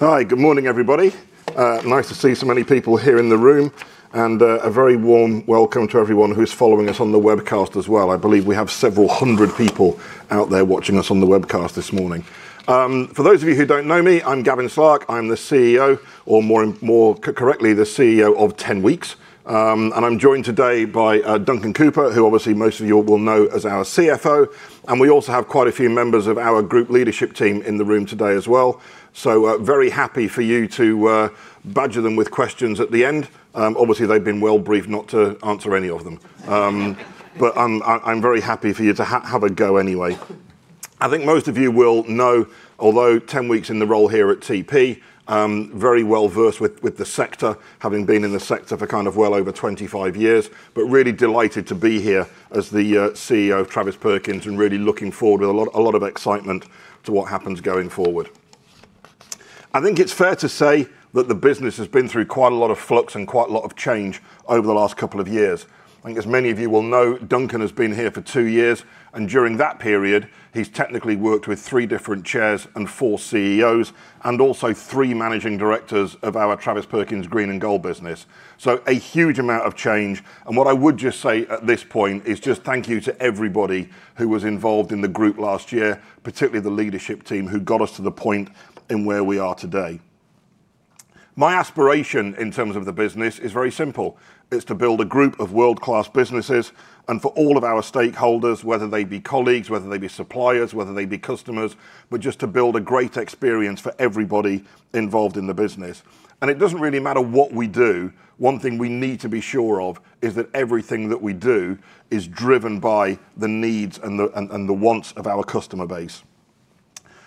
Hi, good morning, everybody. Nice to see so many people here in the room, and a very warm welcome to everyone who's following us on the webcast as well. I believe we have several hundred people out there watching us on the webcast this morning. For those of you who don't know me, I'm Gavin Slark. I'm the CEO, or more correctly, the CEO of Travis Perkins. I'm joined today by Duncan Cooper, who obviously most of you will know as our CFO. We also have quite a few members of our group leadership team in the room today as well. Very happy for you to badger them with questions at the end. Obviously they've been well briefed not to answer any of them. I'm very happy for you to have a go anyway. I think most of you will know, although 10 weeks in the role here at TP, very well versed with the sector, having been in the sector for kind of well over 25 years. Really delighted to be here as the CEO of Travis Perkins, and really looking forward with a lot of excitement to what happens going forward. I think it's fair to say that the business has been through quite a lot of flux and quite a lot of change over the last couple of years. I think as many of you will know, Duncan has been here for two years, and during that period, he's technically worked with three different chairs and four CEOs, and also three managing directors of our Travis Perkins Green and Gold business. A huge amount of change. What I would just say at this point is just thank you to everybody who was involved in the group last year, particularly the leadership team, who got us to the point where we are today. My aspiration in terms of the business is very simple, to build a group of world-class businesses and for all of our stakeholders, whether they be colleagues, whether they be suppliers, whether they be customers, but just to build a great experience for everybody involved in the business. It doesn't really matter what we do, one thing we need to be sure of is that everything that we do is driven by the needs and the wants of our customer base.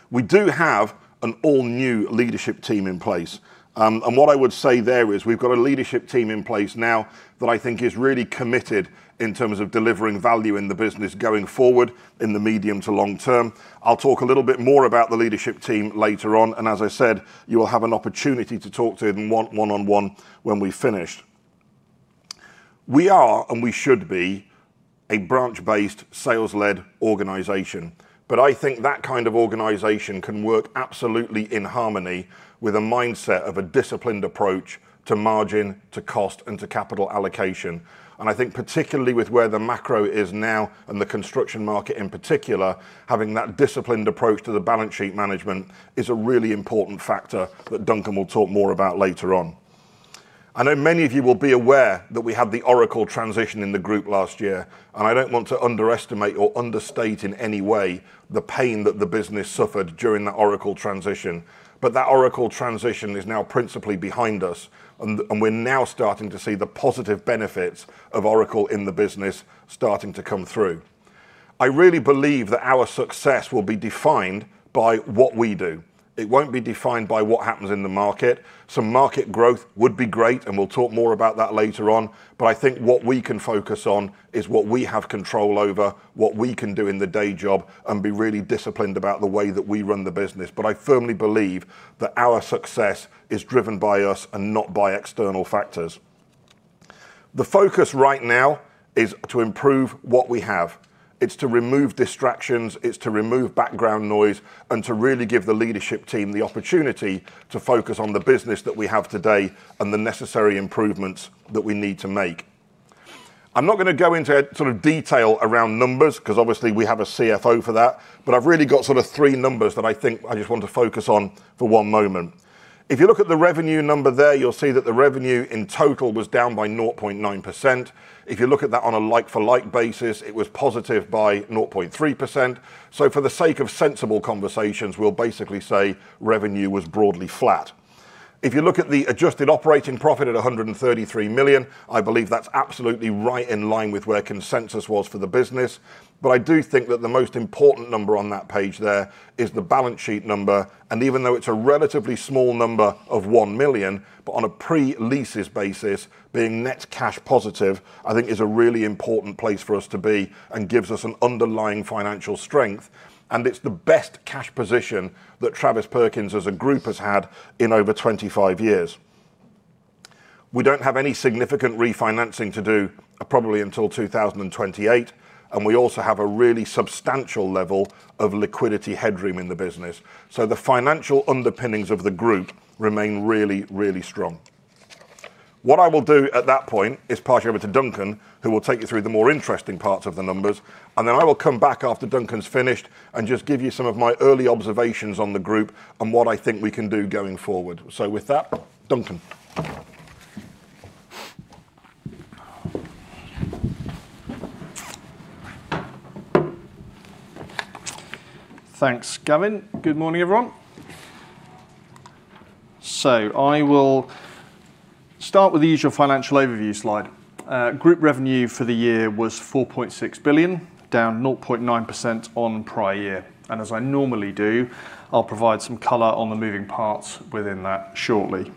We do have an all new leadership team in place. What I would say there is we've got a leadership team in place now that I think is really committed in terms of delivering value in the business going forward in the medium to long term. I'll talk a little bit more about the leadership team later on, and as I said, you will have an opportunity to talk to them one on one when we've finished. We are, and we should be, a branch-based, sales-led organization. I think that kind of organization can work absolutely in harmony with a mindset of a disciplined approach to margin, to cost, and to capital allocation. I think particularly with where the macro is now and the construction market in particular, having that disciplined approach to the balance sheet management is a really important factor that Duncan will talk more about later on. I know many of you will be aware that we had the Oracle transition in the group last year, and I don't want to underestimate or understate in any way the pain that the business suffered during that Oracle transition. That Oracle transition is now principally behind us, and we're now starting to see the positive benefits of Oracle in the business starting to come through. I really believe that our success will be defined by what we do. It won't be defined by what happens in the market. Some market growth would be great, and we'll talk more about that later on. I think what we can focus on is what we have control over, what we can do in the day job and be really disciplined about the way that we run the business. I firmly believe that our success is driven by us and not by external factors. The focus right now is to improve what we have. It's to remove distractions, it's to remove background noise, and to really give the leadership team the opportunity to focus on the business that we have today and the necessary improvements that we need to make. I'm not gonna go into sort of detail around numbers because obviously we have a CFO for that, but I've really got sort of three numbers that I think I just want to focus on for one moment. If you look at the revenue number there, you'll see that the revenue in total was down by 0.9%. If you look at that on a like-for-like basis, it was positive by 0.3%. For the sake of sensible conversations, we'll basically say revenue was broadly flat. If you look at the adjusted operating profit at 133 million, I believe that's absolutely right in line with where consensus was for the business. I do think that the most important number on that page there is the balance sheet number, and even though it's a relatively small number of 1 million, but on a pre-leases basis, being net cash positive, I think is a really important place for us to be and gives us an underlying financial strength, and it's the best cash position that Travis Perkins as a group has had in over 25 years. We don't have any significant refinancing to do probably until 2028, and we also have a really substantial level of liquidity headroom in the business. The financial underpinnings of the group remain really, really strong. What I will do at that point is pass you over to Duncan, who will take you through the more interesting parts of the numbers, and then I will come back after Duncan's finished and just give you some of my early observations on the group and what I think we can do going forward. With that, Duncan. Thanks, Gavin. Good morning, everyone. I will start with the usual financial overview slide. Group revenue for the year was 4.6 billion, down 0.9% on prior year. I normally do, I'll provide some color on the moving parts within that shortly.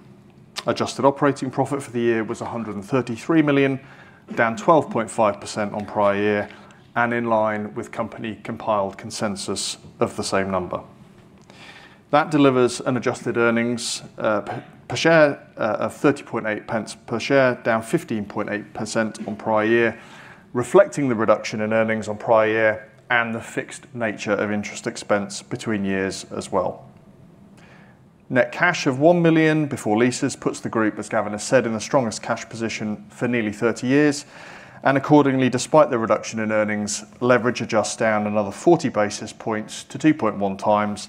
Adjusted operating profit for the year was 133 million, down 12.5% on prior year and in line with company compiled consensus of the same number. That delivers an adjusted earnings per share of 30.8 pence per share, down 15.8% on prior year, reflecting the reduction in earnings on prior year and the fixed nature of interest expense between years as well. Net cash of 1 million before leases puts the group, as Gavin has said, in the strongest cash position for nearly 30 years. Accordingly, despite the reduction in earnings, leverage adjusts down another 40 basis points to 2.1x.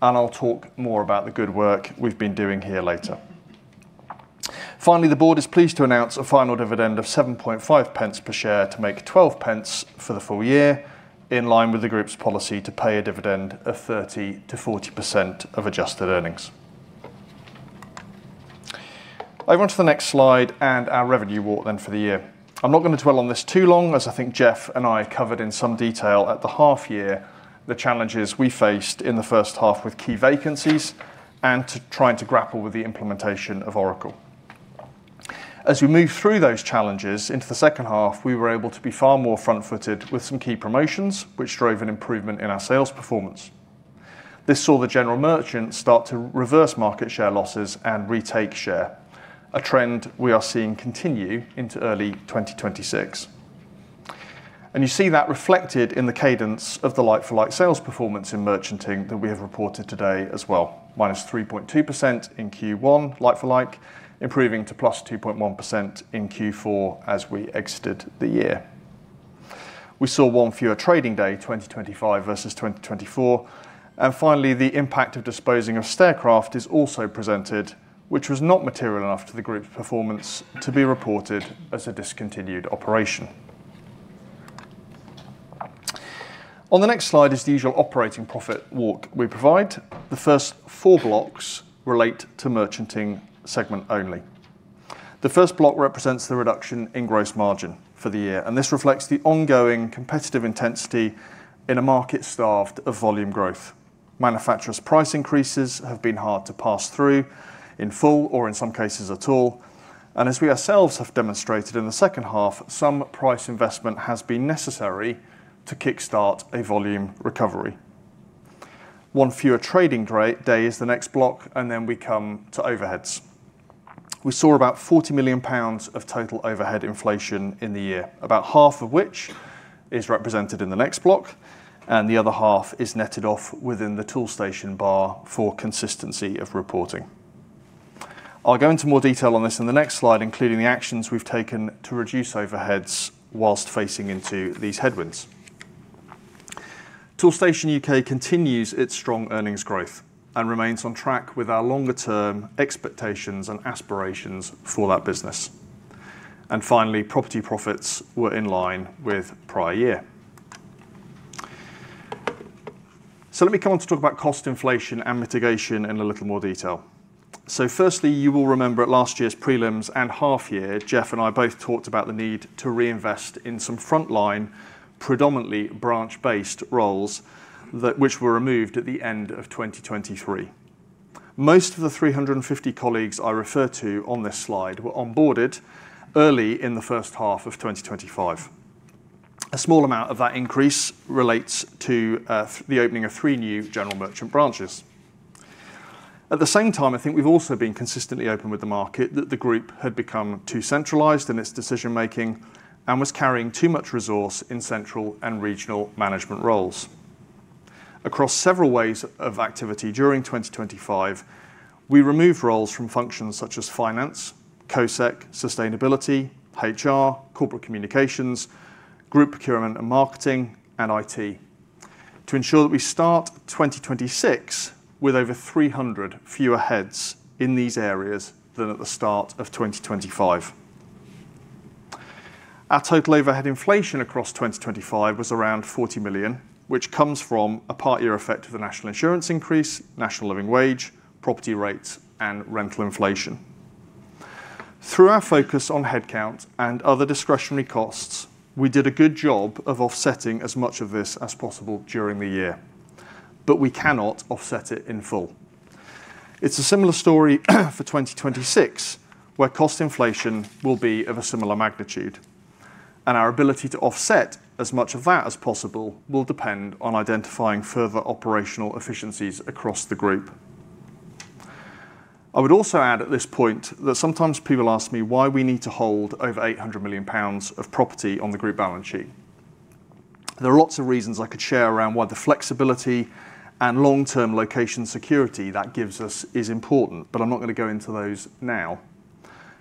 I'll talk more about the good work we've been doing here later. Finally, the board is pleased to announce a final dividend of 7.5 pence per share to make 12 pence for the full year, in line with the group's policy to pay a dividend of 30%-40% of adjusted earnings. Over to the next slide and our revenue walk then for the year. I'm not going to dwell on this too long, as I think Jeff and I covered in some detail at the half year the challenges we faced in the first half with key vacancies and us trying to grapple with the implementation of Oracle. As we moved through those challenges into the second half, we were able to be far more front-footed with some key promotions, which drove an improvement in our sales performance. This saw the general merchant start to reverse market share losses and retake share, a trend we are seeing continue into early 2026. You see that reflected in the cadence of the like-for-like sales performance in merchanting that we have reported today as well, -3.2% in Q1 like-for-like, improving to +2.1% in Q4 as we exited the year. We saw one fewer trading day, 2025 versus 2024. Finally, the impact of disposing of Staircraft is also presented, which was not material enough to the group's performance to be reported as a discontinued operation. On the next slide is the usual operating profit walk we provide. The first four blocks relate to merchanting segment only. The first block represents the reduction in gross margin for the year, and this reflects the ongoing competitive intensity in a market starved of volume growth. Manufacturers' price increases have been hard to pass through in full or in some cases at all. As we ourselves have demonstrated in the second half, some price investment has been necessary to kickstart a volume recovery. One fewer trading day is the next block, and then we come to overheads. We saw about 40 million pounds of total overhead inflation in the year, about half of which is represented in the next block, and the other half is netted off within the Toolstation bar for consistency of reporting. I'll go into more detail on this in the next slide, including the actions we've taken to reduce overheads while facing into these headwinds. Toolstation UK continues its strong earnings growth and remains on track with our longer-term expectations and aspirations for that business. Finally, property profits were in line with prior year. Let me come on to talk about cost inflation and mitigation in a little more detail. Firstly, you will remember at last year's prelims and half year, Jeff and I both talked about the need to reinvest in some frontline, predominantly branch-based roles that which were removed at the end of 2023. Most of the 350 colleagues I refer to on this slide were onboarded early in the first half of 2025. A small amount of that increase relates to the opening of three new general merchant branches. At the same time, I think we've also been consistently open with the market that the group had become too centralized in its decision-making and was carrying too much resource in central and regional management roles. Across several ways of activity during 2025, we removed roles from functions such as finance, COSEC, sustainability, HR, corporate communications, group procurement and marketing, and IT to ensure that we start 2026 with over 300 fewer heads in these areas than at the start of 2025. Our total overhead inflation across 2025 was around 40 million, which comes from a part-year effect of the National Insurance increase, National Living Wage, property rates and rental inflation. Through our focus on headcount and other discretionary costs, we did a good job of offsetting as much of this as possible during the year. We cannot offset it in full. It's a similar story for 2026, where cost inflation will be of a similar magnitude, and our ability to offset as much of that as possible will depend on identifying further operational efficiencies across the group. I would also add at this point that sometimes people ask me why we need to hold over 800 million pounds of property on the group balance sheet. There are lots of reasons I could share around why the flexibility and long-term location security that gives us is important, but I'm not going to go into those now.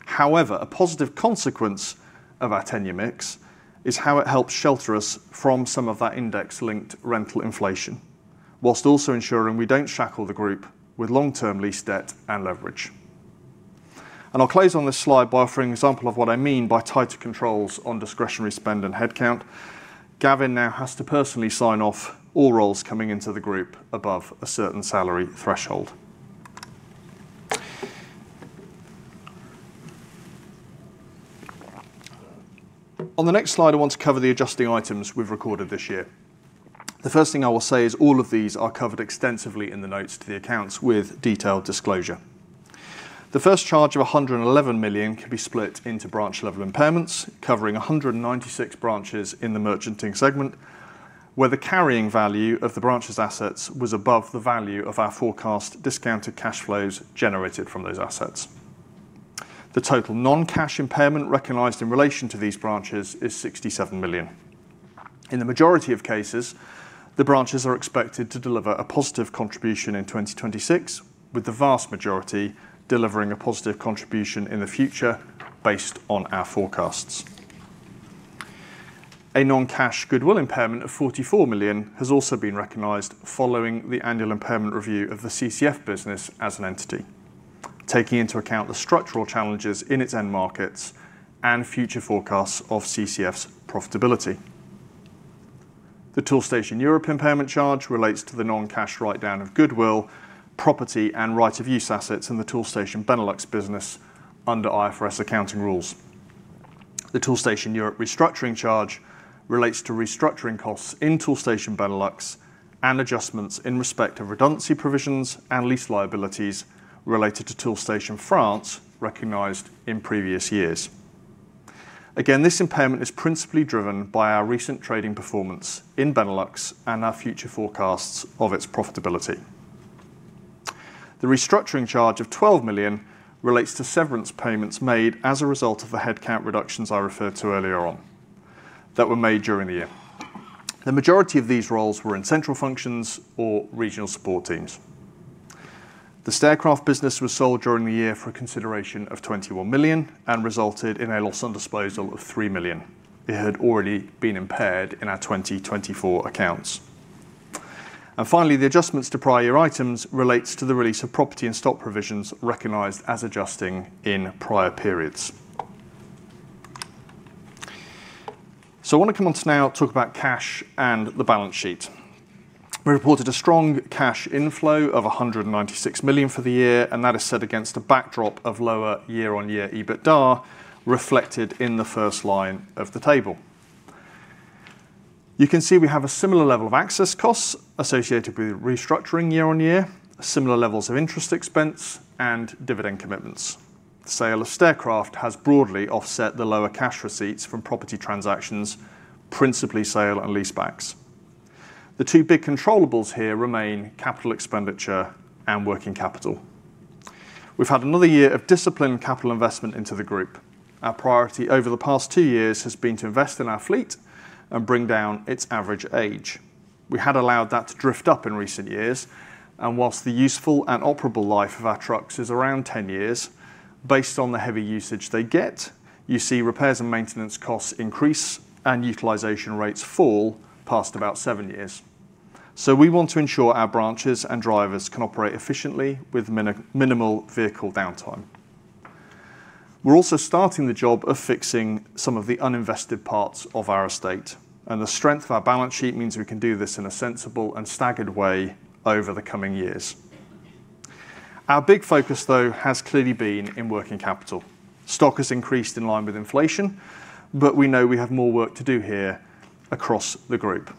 However, a positive consequence of our tenure mix is how it helps shelter us from some of that index-linked rental inflation while also ensuring we don't shackle the group with long-term lease debt and leverage. I'll close on this slide by offering an example of what I mean by tighter controls on discretionary spend and headcount. Gavin now has to personally sign off all roles coming into the group above a certain salary threshold. On the next slide, I want to cover the adjusting items we've recorded this year. The first thing I will say is all of these are covered extensively in the notes to the accounts with detailed disclosure. The first charge of 111 million can be split into branch level impairments, covering 196 branches in the merchanting segment, where the carrying value of the branch's assets was above the value of our forecast discounted cash flows generated from those assets. The total non-cash impairment recognized in relation to these branches is 67 million. In the majority of cases, the branches are expected to deliver a positive contribution in 2026, with the vast majority delivering a positive contribution in the future based on our forecasts. A non-cash goodwill impairment of 44 million has also been recognized following the annual impairment review of the CCF business as an entity, taking into account the structural challenges in its end markets and future forecasts of CCF's profitability. The Toolstation Europe impairment charge relates to the non-cash write-down of goodwill, property, and right-of-use assets in the Toolstation Benelux business under IFRS accounting rules. The Toolstation Europe restructuring charge relates to restructuring costs in Toolstation Benelux and adjustments in respect of redundancy provisions and lease liabilities related to Toolstation France recognized in previous years. Again, this impairment is principally driven by our recent trading performance in Benelux and our future forecasts of its profitability. The restructuring charge of 12 million relates to severance payments made as a result of the headcount reductions I referred to earlier on that were made during the year. The majority of these roles were in central functions or regional support teams. The Staircraft business was sold during the year for a consideration of 21 million and resulted in a loss on disposal of 3 million. It had already been impaired in our 2024 accounts. Finally, the adjustments to prior year items relates to the release of property and stock provisions recognized as adjusting in prior periods. I want to come on to now talk about cash and the balance sheet. We reported a strong cash inflow of 196 million for the year, and that is set against a backdrop of lower year-on-year EBITDA reflected in the first line of the table. You can see we have a similar level of access costs associated with restructuring year-on-year, similar levels of interest expense and dividend commitments. The sale of Staircraft has broadly offset the lower cash receipts from property transactions, principally sale and leasebacks. The two big controllables here remain capital expenditure and working capital. We've had another year of disciplined capital investment into the group. Our priority over the past two years has been to invest in our fleet and bring down its average age. We had allowed that to drift up in recent years, and while the useful and operable life of our trucks is around 10 years, based on the heavy usage they get, you see repairs and maintenance costs increase and utilization rates fall past about seven years. We want to ensure our branches and drivers can operate efficiently with minimal vehicle downtime. We're also starting the job of fixing some of the uninvested parts of our estate, and the strength of our balance sheet means we can do this in a sensible and staggered way over the coming years. Our big focus, though, has clearly been in working capital. Stock has increased in line with inflation, but we know we have more work to do here across the group.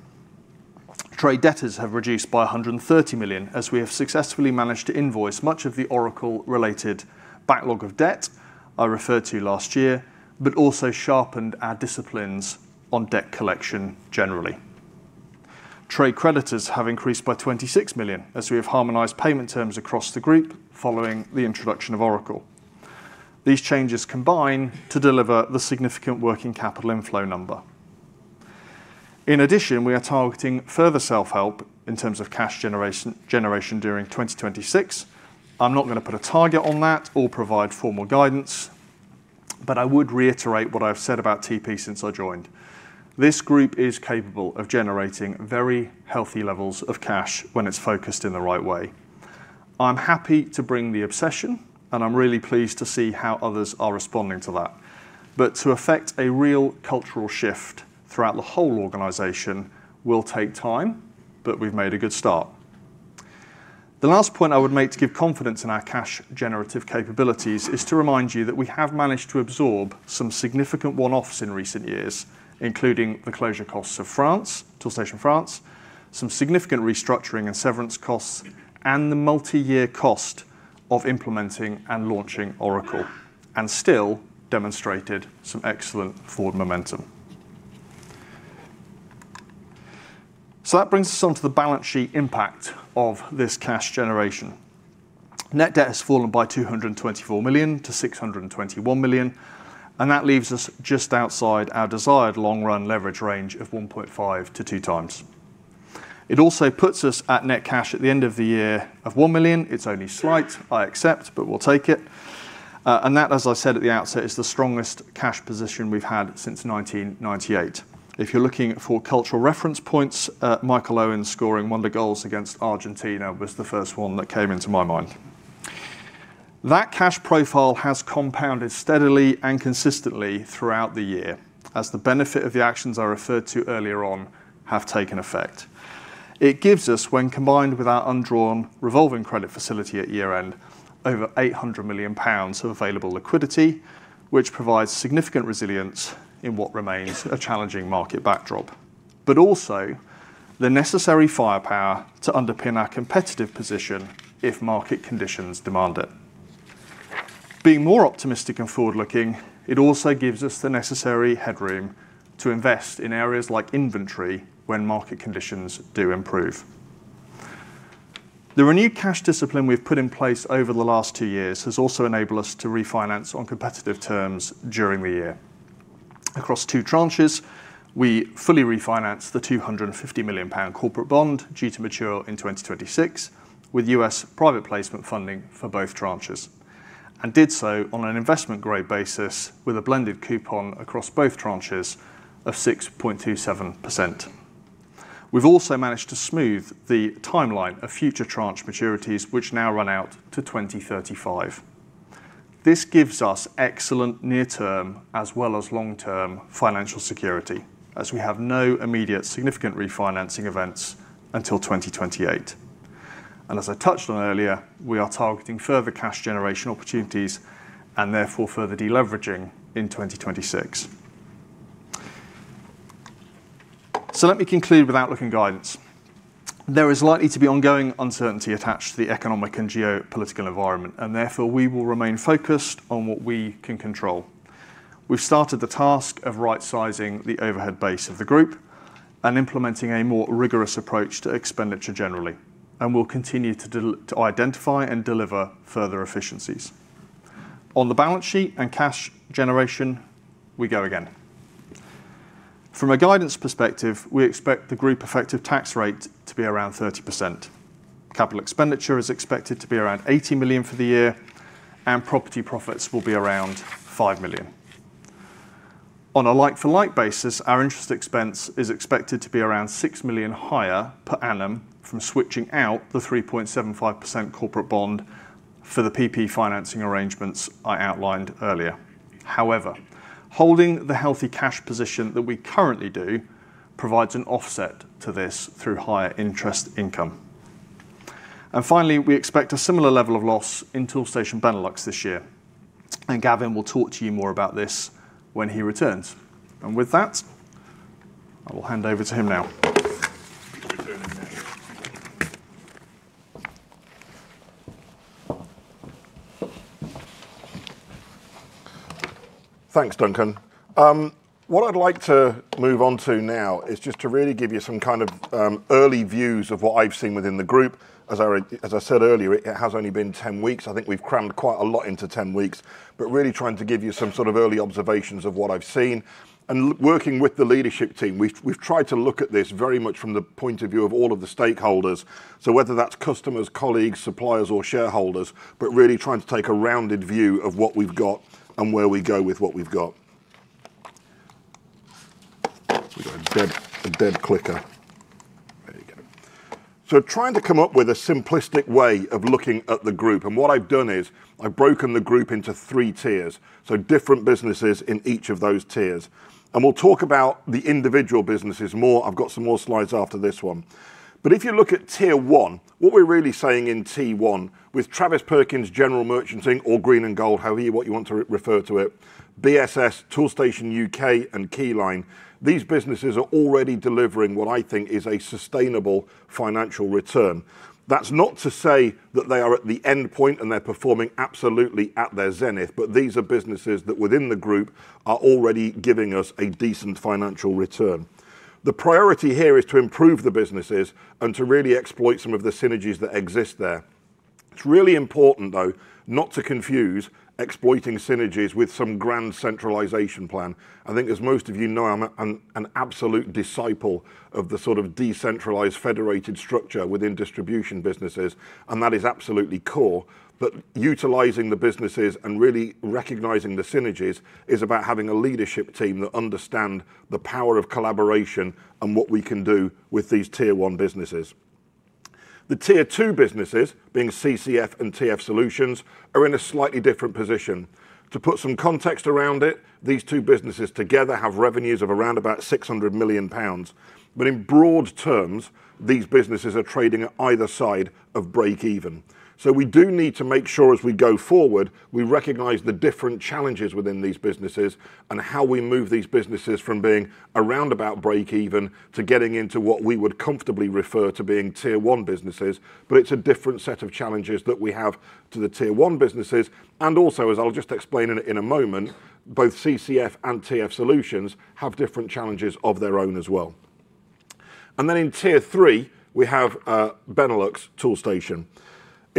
Trade debtors have reduced by 130 million as we have successfully managed to invoice much of the Oracle-related backlog of debt I referred to last year, but also sharpened our disciplines on debt collection generally. Trade creditors have increased by 26 million as we have harmonized payment terms across the group following the introduction of Oracle. These changes combine to deliver the significant working capital inflow number. In addition, we are targeting further self-help in terms of cash generation during 2026. I'm not going to put a target on that or provide formal guidance, but I would reiterate what I've said about TP since I joined. This group is capable of generating very healthy levels of cash when it's focused in the right way. I'm happy to bring the obsession, and I'm really pleased to see how others are responding to that. To effect a real cultural shift throughout the whole organization will take time, but we've made a good start. The last point I would make to give confidence in our cash generative capabilities is to remind you that we have managed to absorb some significant one-offs in recent years, including the closure costs of France, Toolstation France, some significant restructuring and severance costs, and the multi-year cost of implementing and launching Oracle, and still demonstrated some excellent forward momentum. That brings us on to the balance sheet impact of this cash generation. Net debt has fallen by 224 million to 621 million, and that leaves us just outside our desired long-run leverage range of 1.5-2x. It also puts us at net cash at the end of the year of 1 million. It's only slight, I accept, but we'll take it. that, as I said at the outset, is the strongest cash position we've had since 1998. If you're looking for cultural reference points, Michael Owen scoring one of the goals against Argentina was the first one that came into my mind. That cash profile has compounded steadily and consistently throughout the year as the benefit of the actions I referred to earlier on have taken effect. It gives us, when combined with our undrawn revolving credit facility at year-end, over 800 million pounds of available liquidity, which provides significant resilience in what remains a challenging market backdrop. Also the necessary firepower to underpin our competitive position if market conditions demand it. Being more optimistic and forward-looking, it also gives us the necessary headroom to invest in areas like inventory when market conditions do improve. The renewed cash discipline we've put in place over the last two years has also enabled us to refinance on competitive terms during the year. Across two tranches, we fully refinanced the 250 million pound corporate bond due to mature in 2026 with U.S. private placement funding for both tranches, and did so on an investment-grade basis with a blended coupon across both tranches of 6.27%. We've also managed to smooth the timeline of future tranche maturities, which now run out to 2035. This gives us excellent near-term as well as long-term financial security, as we have no immediate significant refinancing events until 2028. As I touched on earlier, we are targeting further cash generation opportunities and therefore further deleveraging in 2026. Let me conclude with outlook and guidance. There is likely to be ongoing uncertainty attached to the economic and geopolitical environment, and therefore we will remain focused on what we can control. We've started the task of right-sizing the overhead base of the group and implementing a more rigorous approach to expenditure generally, and we'll continue to identify and deliver further efficiencies. On the balance sheet and cash generation, we go again. From a guidance perspective, we expect the group effective tax rate to be around 30%. Capital expenditure is expected to be around 80 million for the year, and property profits will be around 5 million. On a like-for-like basis, our interest expense is expected to be around 6 million higher per annum from switching out the 3.75% corporate bond for the USPP financing arrangements I outlined earlier. However, holding the healthy cash position that we currently do provides an offset to this through higher interest income. Finally, we expect a similar level of loss in Toolstation Benelux this year, and Gavin will talk to you more about this when he returns. With that, I will hand over to him now. Thanks, Duncan. What I'd like to move on to now is just to really give you some kind of early views of what I've seen within the group. As I said earlier, it has only been 10 weeks. I think we've crammed quite a lot into 10 weeks, but really trying to give you some sort of early observations of what I've seen and working with the leadership team, we've tried to look at this very much from the point of view of all of the stakeholders. Whether that's customers, colleagues, suppliers or shareholders, but really trying to take a rounded view of what we've got and where we go with what we've got. We've got a dead clicker. There you go. Trying to come up with a simplistic way of looking at the group, and what I've done is I've broken the group into three tiers, so different businesses in each of those tiers. We'll talk about the individual businesses more. I've got some more slides after this one. If you look at tier one, what we're really saying in tier one with Travis Perkins General Merchanting or Green and Gold, however you want to refer to it, BSS, Toolstation UK and Keyline, these businesses are already delivering what I think is a sustainable financial return. That's not to say that they are at the end point and they're performing absolutely at their zenith, but these are businesses that within the group are already giving us a decent financial return. The priority here is to improve the businesses and to really exploit some of the synergies that exist there. It's really important, though, not to confuse exploiting synergies with some grand centralization plan. I think as most of you know, I'm an absolute disciple of the sort of decentralized, federated structure within distribution businesses, and that is absolutely core. Utilizing the businesses and really recognizing the synergies is about having a leadership team that understand the power of collaboration and what we can do with these tier one businesses. The tier two businesses, being CCF and TF Solutions, are in a slightly different position. To put some context around it, these two businesses together have revenues of around about 600 million pounds. In broad terms, these businesses are trading at either side of break even. We do need to make sure as we go forward, we recognize the different challenges within these businesses and how we move these businesses from being around about break even to getting into what we would comfortably refer to being tier one businesses, but it's a different set of challenges that we have to the tier one businesses. Also, as I'll just explain in a moment, both CCF and TF Solutions have different challenges of their own as well. Then in tier three, we have Toolstation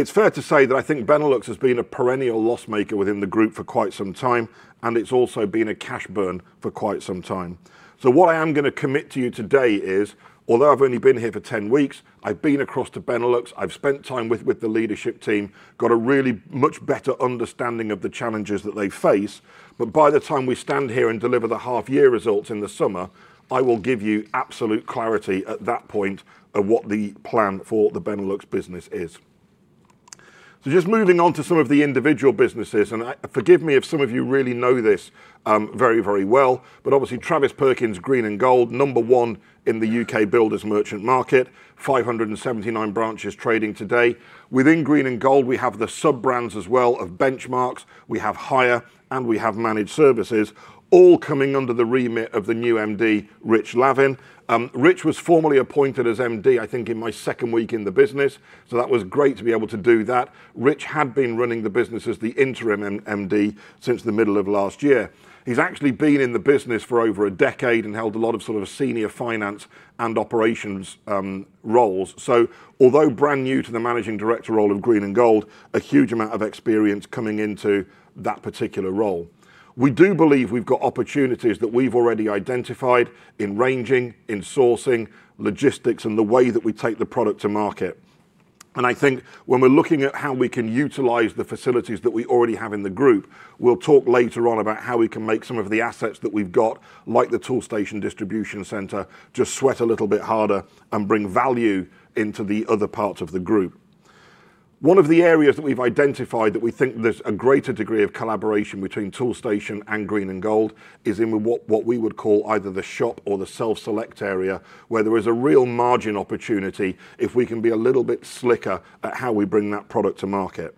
Benelux. It's fair to say that I think Toolstation Benelux has been a perennial loss maker within the group for quite some time, and it's also been a cash burn for quite some time. What I am gonna commit to you today is, although I've only been here for 10 weeks, I've been across to Benelux, I've spent time with the leadership team, got a really much better understanding of the challenges that they face. By the time we stand here and deliver the half year results in the summer, I will give you absolute clarity at that point of what the plan for the Benelux business is. Just moving on to some of the individual businesses, and, forgive me if some of you really know this, very, very well. Obviously, Travis Perkins, Green and Gold, number one in the U.K. builders merchant market, 579 branches trading today. Within Green and Gold, we have the sub-brands as well of Benchmarx, we have Hire, and we have Managed Services, all coming under the remit of the new MD, Rich Lavin. Rich was formerly appointed as MD, I think in my second week in the business, so that was great to be able to do that. Rich had been running the business as the interim MD since the middle of last year. He's actually been in the business for over a decade and held a lot of sort of senior finance and operations, roles. Although brand new to the managing director role of Green and Gold, a huge amount of experience coming into that particular role. We do believe we've got opportunities that we've already identified in ranging, in sourcing, logistics, and the way that we take the product to market. I think when we're looking at how we can utilize the facilities that we already have in the group, we'll talk later on about how we can make some of the assets that we've got, like the Toolstation distribution center, just sweat a little bit harder and bring value into the other parts of the group. One of the areas that we've identified that we think there's a greater degree of collaboration between Toolstation and Green & Gold is in what we would call either the shop or the self-select area, where there is a real margin opportunity if we can be a little bit slicker at how we bring that product to market.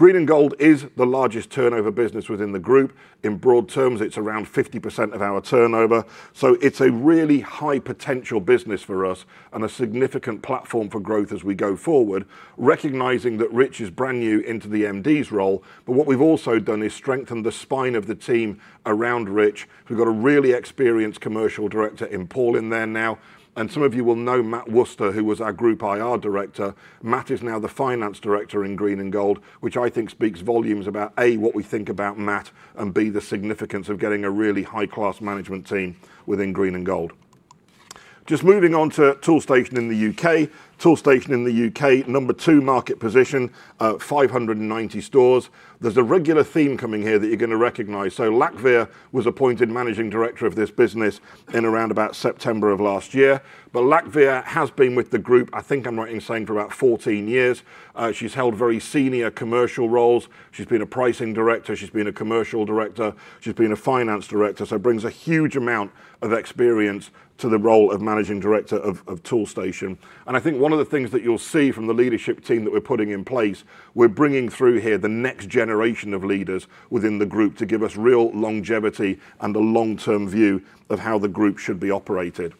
Green & Gold is the largest turnover business within the group. In broad terms, it's around 50% of our turnover, so it's a really high potential business for us and a significant platform for growth as we go forward, recognizing that Rich is brand new into the MD's role. What we've also done is strengthen the spine of the team around Rich. We've got a really experienced commercial director in Paul in there now, and some of you will know Matt Worcester, who was our group IR director. Matt is now the finance director in Green & Gold, which I think speaks volumes about, A, what we think about Matt, and B, the significance of getting a really high-class management team within Green & Gold. Just moving on to Toolstation in the UK. Toolstation in the UK, number two market position, 590 stores. There's a regular theme coming here that you're gonna recognize. Lakvir was appointed Managing Director of this business in around about September of last year. Lakvir has been with the group, I think I'm right in saying, for about 14 years. She's held very senior commercial roles. She's been a pricing director. She's been a commercial director. She's been a finance director, so brings a huge amount of experience to the role of Managing Director of Toolstation. I think one of the things that you'll see from the leadership team that we're putting in place, we're bringing through here the next generation of leaders within the group to give us real longevity and a long-term view of how the group should be operated.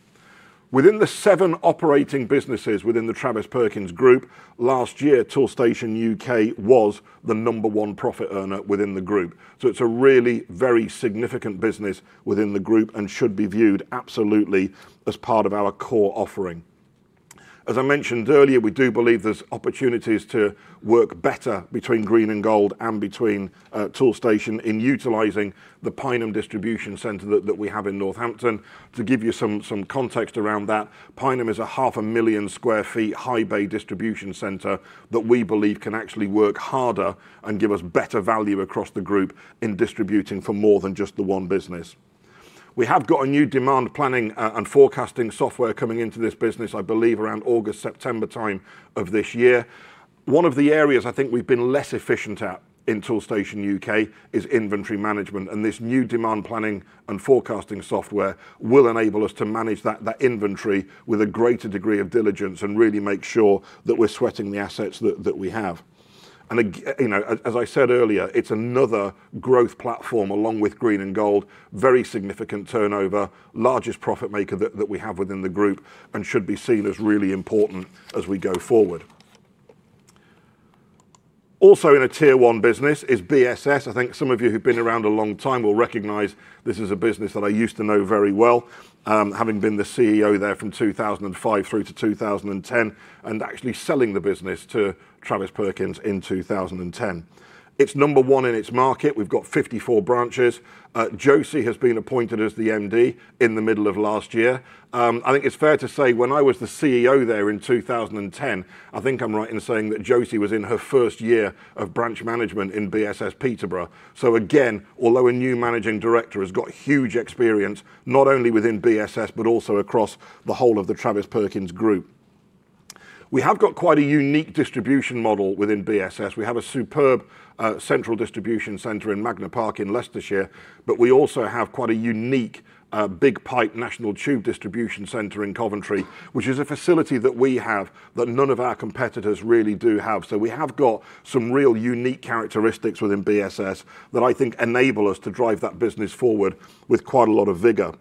Within the seven operating businesses within the Travis Perkins Group, last year, Toolstation UK was the number one profit earner within the group. It's a really very significant business within the group and should be viewed absolutely as part of our core offering. As I mentioned earlier, we do believe there's opportunities to work better between Green & Gold and between Toolstation in utilizing the Pineham distribution center that we have in Northampton. To give you some context around that, Pineham is a 500,000 sq ft, high bay distribution center that we believe can actually work harder and give us better value across the group in distributing for more than just the one business. We have got a new demand planning and forecasting software coming into this business, I believe, around August, September time of this year. One of the areas I think we've been less efficient at in Toolstation UK is inventory management, and this new demand planning and forecasting software will enable us to manage that inventory with a greater degree of diligence and really make sure that we're sweating the assets that we have. You know, as I said earlier, it's another growth platform along with Green & Gold, very significant turnover, largest profit maker that we have within the group and should be seen as really important as we go forward. Also in a tier one business is BSS. I think some of you who've been around a long time will recognize this is a business that I used to know very well, having been the CEO there from 2005 through to 2010 and actually selling the business to Travis Perkins in 2010. It's number one in its market. We've got 54 branches. Josie has been appointed as the MD in the middle of last year. I think it's fair to say when I was the CEO there in 2010, I think I'm right in saying that Josie was in her first year of branch management in BSS Peterborough. Again, although a new managing director has got huge experience, not only within BSS but also across the whole of the Travis Perkins Group. We have got quite a unique distribution model within BSS. We have a superb central distribution center in Magna Park in Leicestershire, but we also have quite a unique Big Pipe national tube distribution center in Coventry, which is a facility that we have that none of our competitors really do have. We have got some real unique characteristics within BSS that I think enable us to drive that business forward with quite a lot of vigor.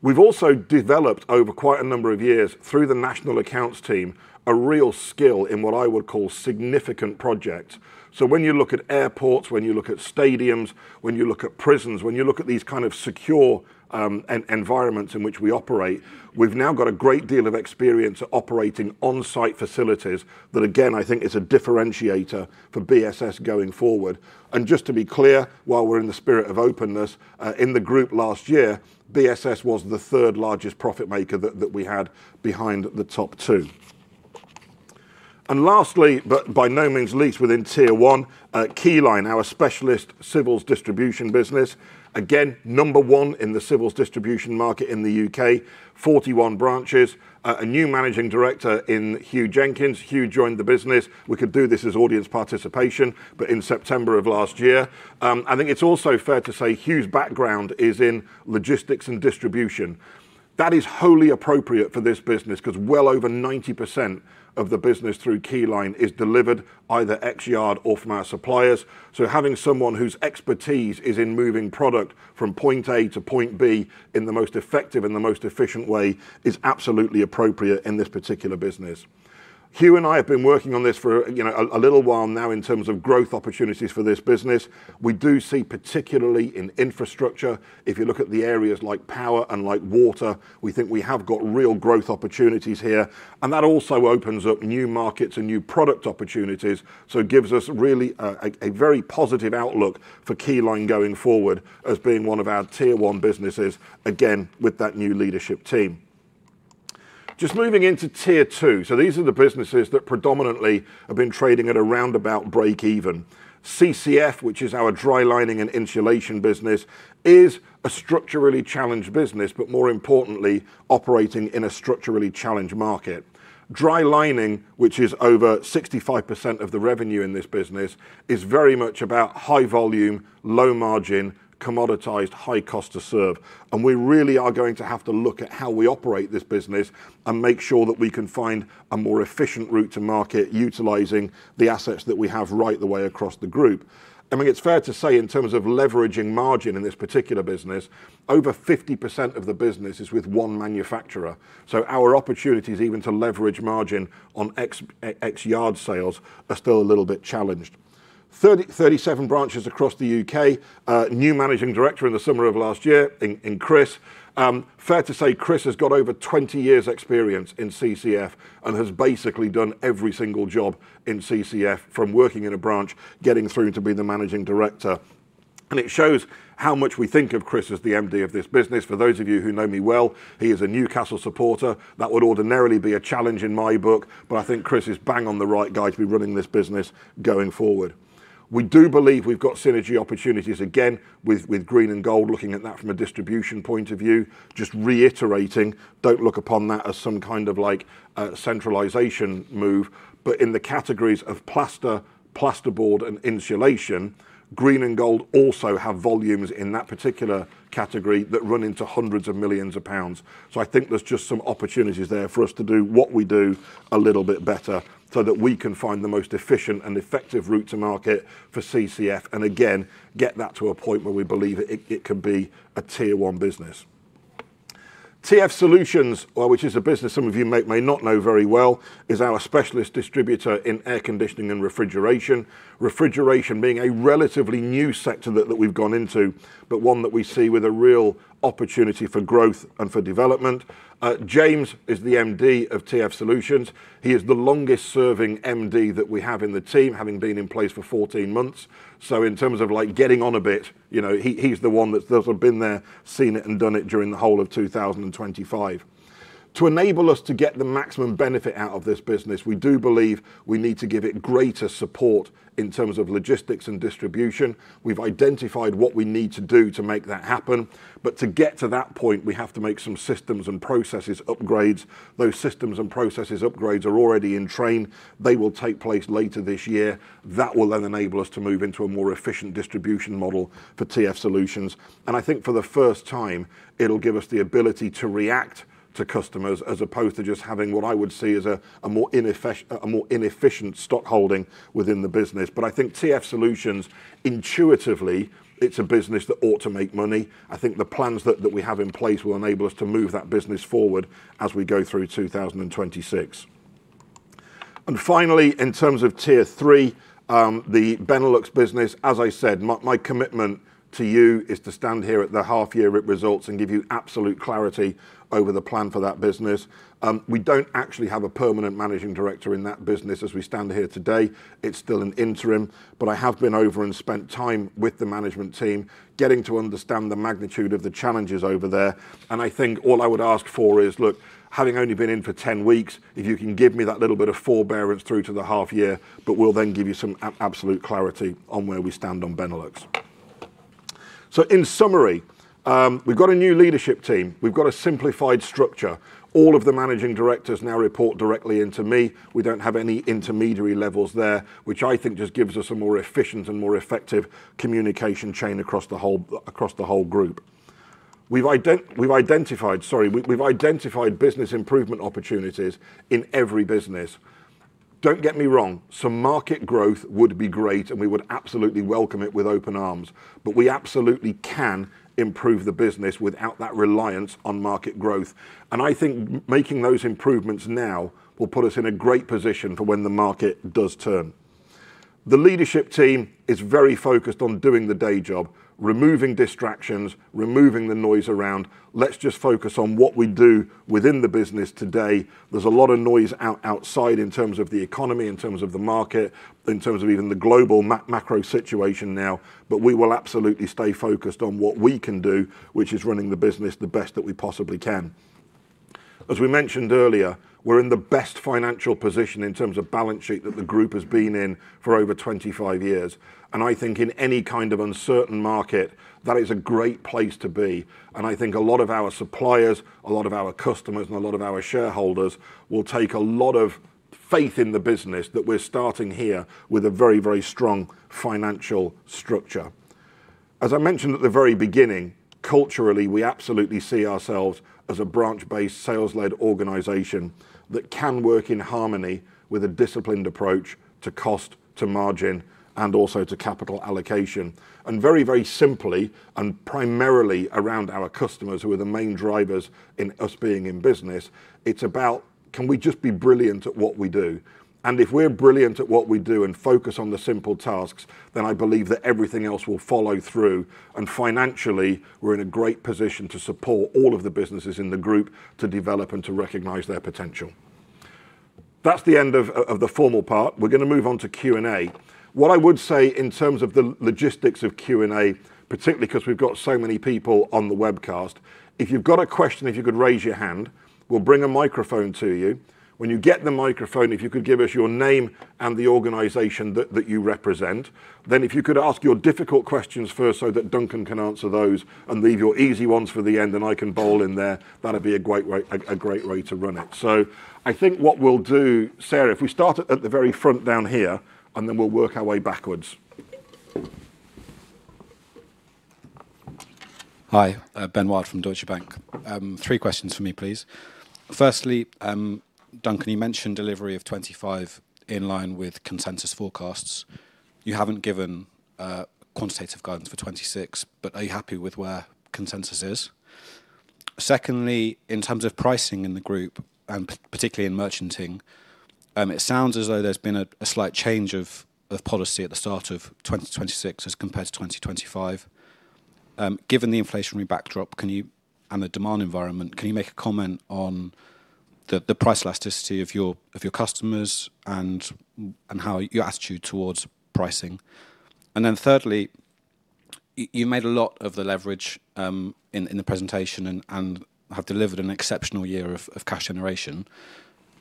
We've also developed over quite a number of years, through the National Accounts team, a real skill in what I would call significant projects. When you look at airports, when you look at stadiums, when you look at prisons, when you look at these kind of secure environments in which we operate, we've now got a great deal of experience at operating on-site facilities that again, I think is a differentiator for BSS going forward. Just to be clear, while we're in the spirit of openness, in the group last year, BSS was the third-largest profit maker that we had behind the top two. Lastly, but by no means least within tier one, Keyline, our specialist civils distribution business. Again, number one in the civils distribution market in the UK. 41 branches. A new Managing Director in Hugh Jennings. Hugh joined the business, we could do this as audience participation, but in September of last year. I think it's also fair to say Hugh's background is in logistics and distribution. That is wholly appropriate for this business 'cause well over 90% of the business through Keyline is delivered either ex-yard or from our suppliers. Having someone whose expertise is in moving product from point A to point B in the most effective and the most efficient way is absolutely appropriate in this particular business. Hugh and I have been working on this for, you know, a little while now in terms of growth opportunities for this business. We do see, particularly in infrastructure, if you look at the areas like power and like water, we think we have got real growth opportunities here, and that also opens up new markets and new product opportunities, so it gives us really a very positive outlook for Keyline going forward as being one of our tier one businesses, again, with that new leadership team. Just moving into Tier 2. These are the businesses that predominantly have been trading at around about break even. CCF, which is our dry lining and insulation business, is a structurally challenged business, but more importantly, operating in a structurally challenged market. Dry lining, which is over 65% of the revenue in this business, is very much about high volume, low margin, commoditized, high cost to serve. We really are going to have to look at how we operate this business and make sure that we can find a more efficient route to market utilizing the assets that we have right the way across the group. I mean, it's fair to say in terms of leveraging margin in this particular business, over 50% of the business is with one manufacturer. Our opportunities even to leverage margin on ex-yard sales are still a little bit challenged. 37 branches across the UK. New Managing Director in the summer of last year in Chris. Fair to say Chris has got over 20 years experience in CCF and has basically done every single job in CCF from working in a branch, getting through to be the Managing Director. It shows how much we think of Chris as the MD of this business. For those of you who know me well, he is a Newcastle supporter. That would ordinarily be a challenge in my book, but I think Chris is bang on the right guy to be running this business going forward. We do believe we've got synergy opportunities, again, with Green and Gold, looking at that from a distribution point of view, just reiterating, don't look upon that as some kind of like, centralization move. In the categories of plaster, plasterboard and insulation, Green and Gold also have volumes in that particular category that run into hundreds of millions GBP. I think there's just some opportunities there for us to do what we do a little bit better so that we can find the most efficient and effective route to market for CCF, and again, get that to a point where we believe it could be a Tier one business. TF Solutions, which is a business some of you may not know very well, is our specialist distributor in air conditioning and refrigeration. Refrigeration being a relatively new sector that we've gone into, but one that we see with a real opportunity for growth and for development. James is the MD of TF Solutions. He is the longest serving MD that we have in the team, having been in place for 14 months. In terms of like getting on a bit, you know, he's the one that's been there, seen it and done it during the whole of 2025. To enable us to get the maximum benefit out of this business, we do believe we need to give it greater support in terms of logistics and distribution. We've identified what we need to do to make that happen, but to get to that point, we have to make some systems and processes upgrades. Those systems and processes upgrades are already in train. They will take place later this year. That will then enable us to move into a more efficient distribution model for TF Solutions. I think for the first time, it'll give us the ability to react to customers as opposed to just having what I would see as a more inefficient stock holding within the business. I think TF Solutions, intuitively, it's a business that ought to make money. I think the plans that we have in place will enable us to move that business forward as we go through 2026. Finally, in terms of Tier 3, the Benelux business, as I said, my commitment to you is to stand here at the half year results and give you absolute clarity over the plan for that business. We don't actually have a permanent managing director in that business as we stand here today. It's still an interim, but I have been over and spent time with the management team getting to understand the magnitude of the challenges over there. I think all I would ask for is, look, having only been in for 10 weeks, if you can give me that little bit of forbearance through to the half year, but we'll then give you some absolute clarity on where we stand on Benelux. In summary, we've got a new leadership team. We've got a simplified structure. All of the managing directors now report directly into me. We don't have any intermediary levels there, which I think just gives us a more efficient and more effective communication chain across the whole group. We've identified business improvement opportunities in every business. Don't get me wrong, some market growth would be great, and we would absolutely welcome it with open arms. We absolutely can improve the business without that reliance on market growth. I think making those improvements now will put us in a great position for when the market does turn. The leadership team is very focused on doing the day job, removing distractions, removing the noise around. Let's just focus on what we do within the business today. There's a lot of noise outside in terms of the economy, in terms of the market, in terms of even the global macro situation now, but we will absolutely stay focused on what we can do, which is running the business the best that we possibly can. As we mentioned earlier, we're in the best financial position in terms of balance sheet that the group has been in for over 25 years. I think in any kind of uncertain market, that is a great place to be. I think a lot of our suppliers, a lot of our customers, and a lot of our shareholders will take a lot of faith in the business that we're starting here with a very, very strong financial structure. As I mentioned at the very beginning, culturally, we absolutely see ourselves as a branch-based, sales-led organization that can work in harmony with a disciplined approach to cost, to margin, and also to capital allocation. Very, very simply, and primarily around our customers who are the main drivers in us being in business, it's about, can we just be brilliant at what we do? If we're brilliant at what we do and focus on the simple tasks, then I believe that everything else will follow through. Financially, we're in a great position to support all of the businesses in the group to develop and to recognize their potential. That's the end of the formal part. We're gonna move on to Q&A. What I would say in terms of the logistics of Q&A, particularly 'cause we've got so many people on the webcast, if you've got a question, if you could raise your hand, we'll bring a microphone to you. When you get the microphone, if you could give us your name and the organization that you represent, then if you could ask your difficult questions first so that Duncan can answer those and leave your easy ones for the end, and I can bowl in there, that'd be a great way to run it. I think what we'll do, Sarah, if we start at the very front down here, and then we'll work our way backwards. Hi. Ben Wild from Deutsche Bank. Three questions from me, please. Firstly, Duncan, you mentioned delivery of 2025 in line with consensus forecasts. You haven't given quantitative guidance for 2026, but are you happy with where consensus is? Secondly, in terms of pricing in the group and particularly in merchanting, it sounds as though there's been a slight change of policy at the start of 2026 as compared to 2025. Given the inflationary backdrop and the demand environment, can you make a comment on the price elasticity of your customers and how your attitude towards pricing? Thirdly, you made a lot of the leverage in the presentation and have delivered an exceptional year of cash generation.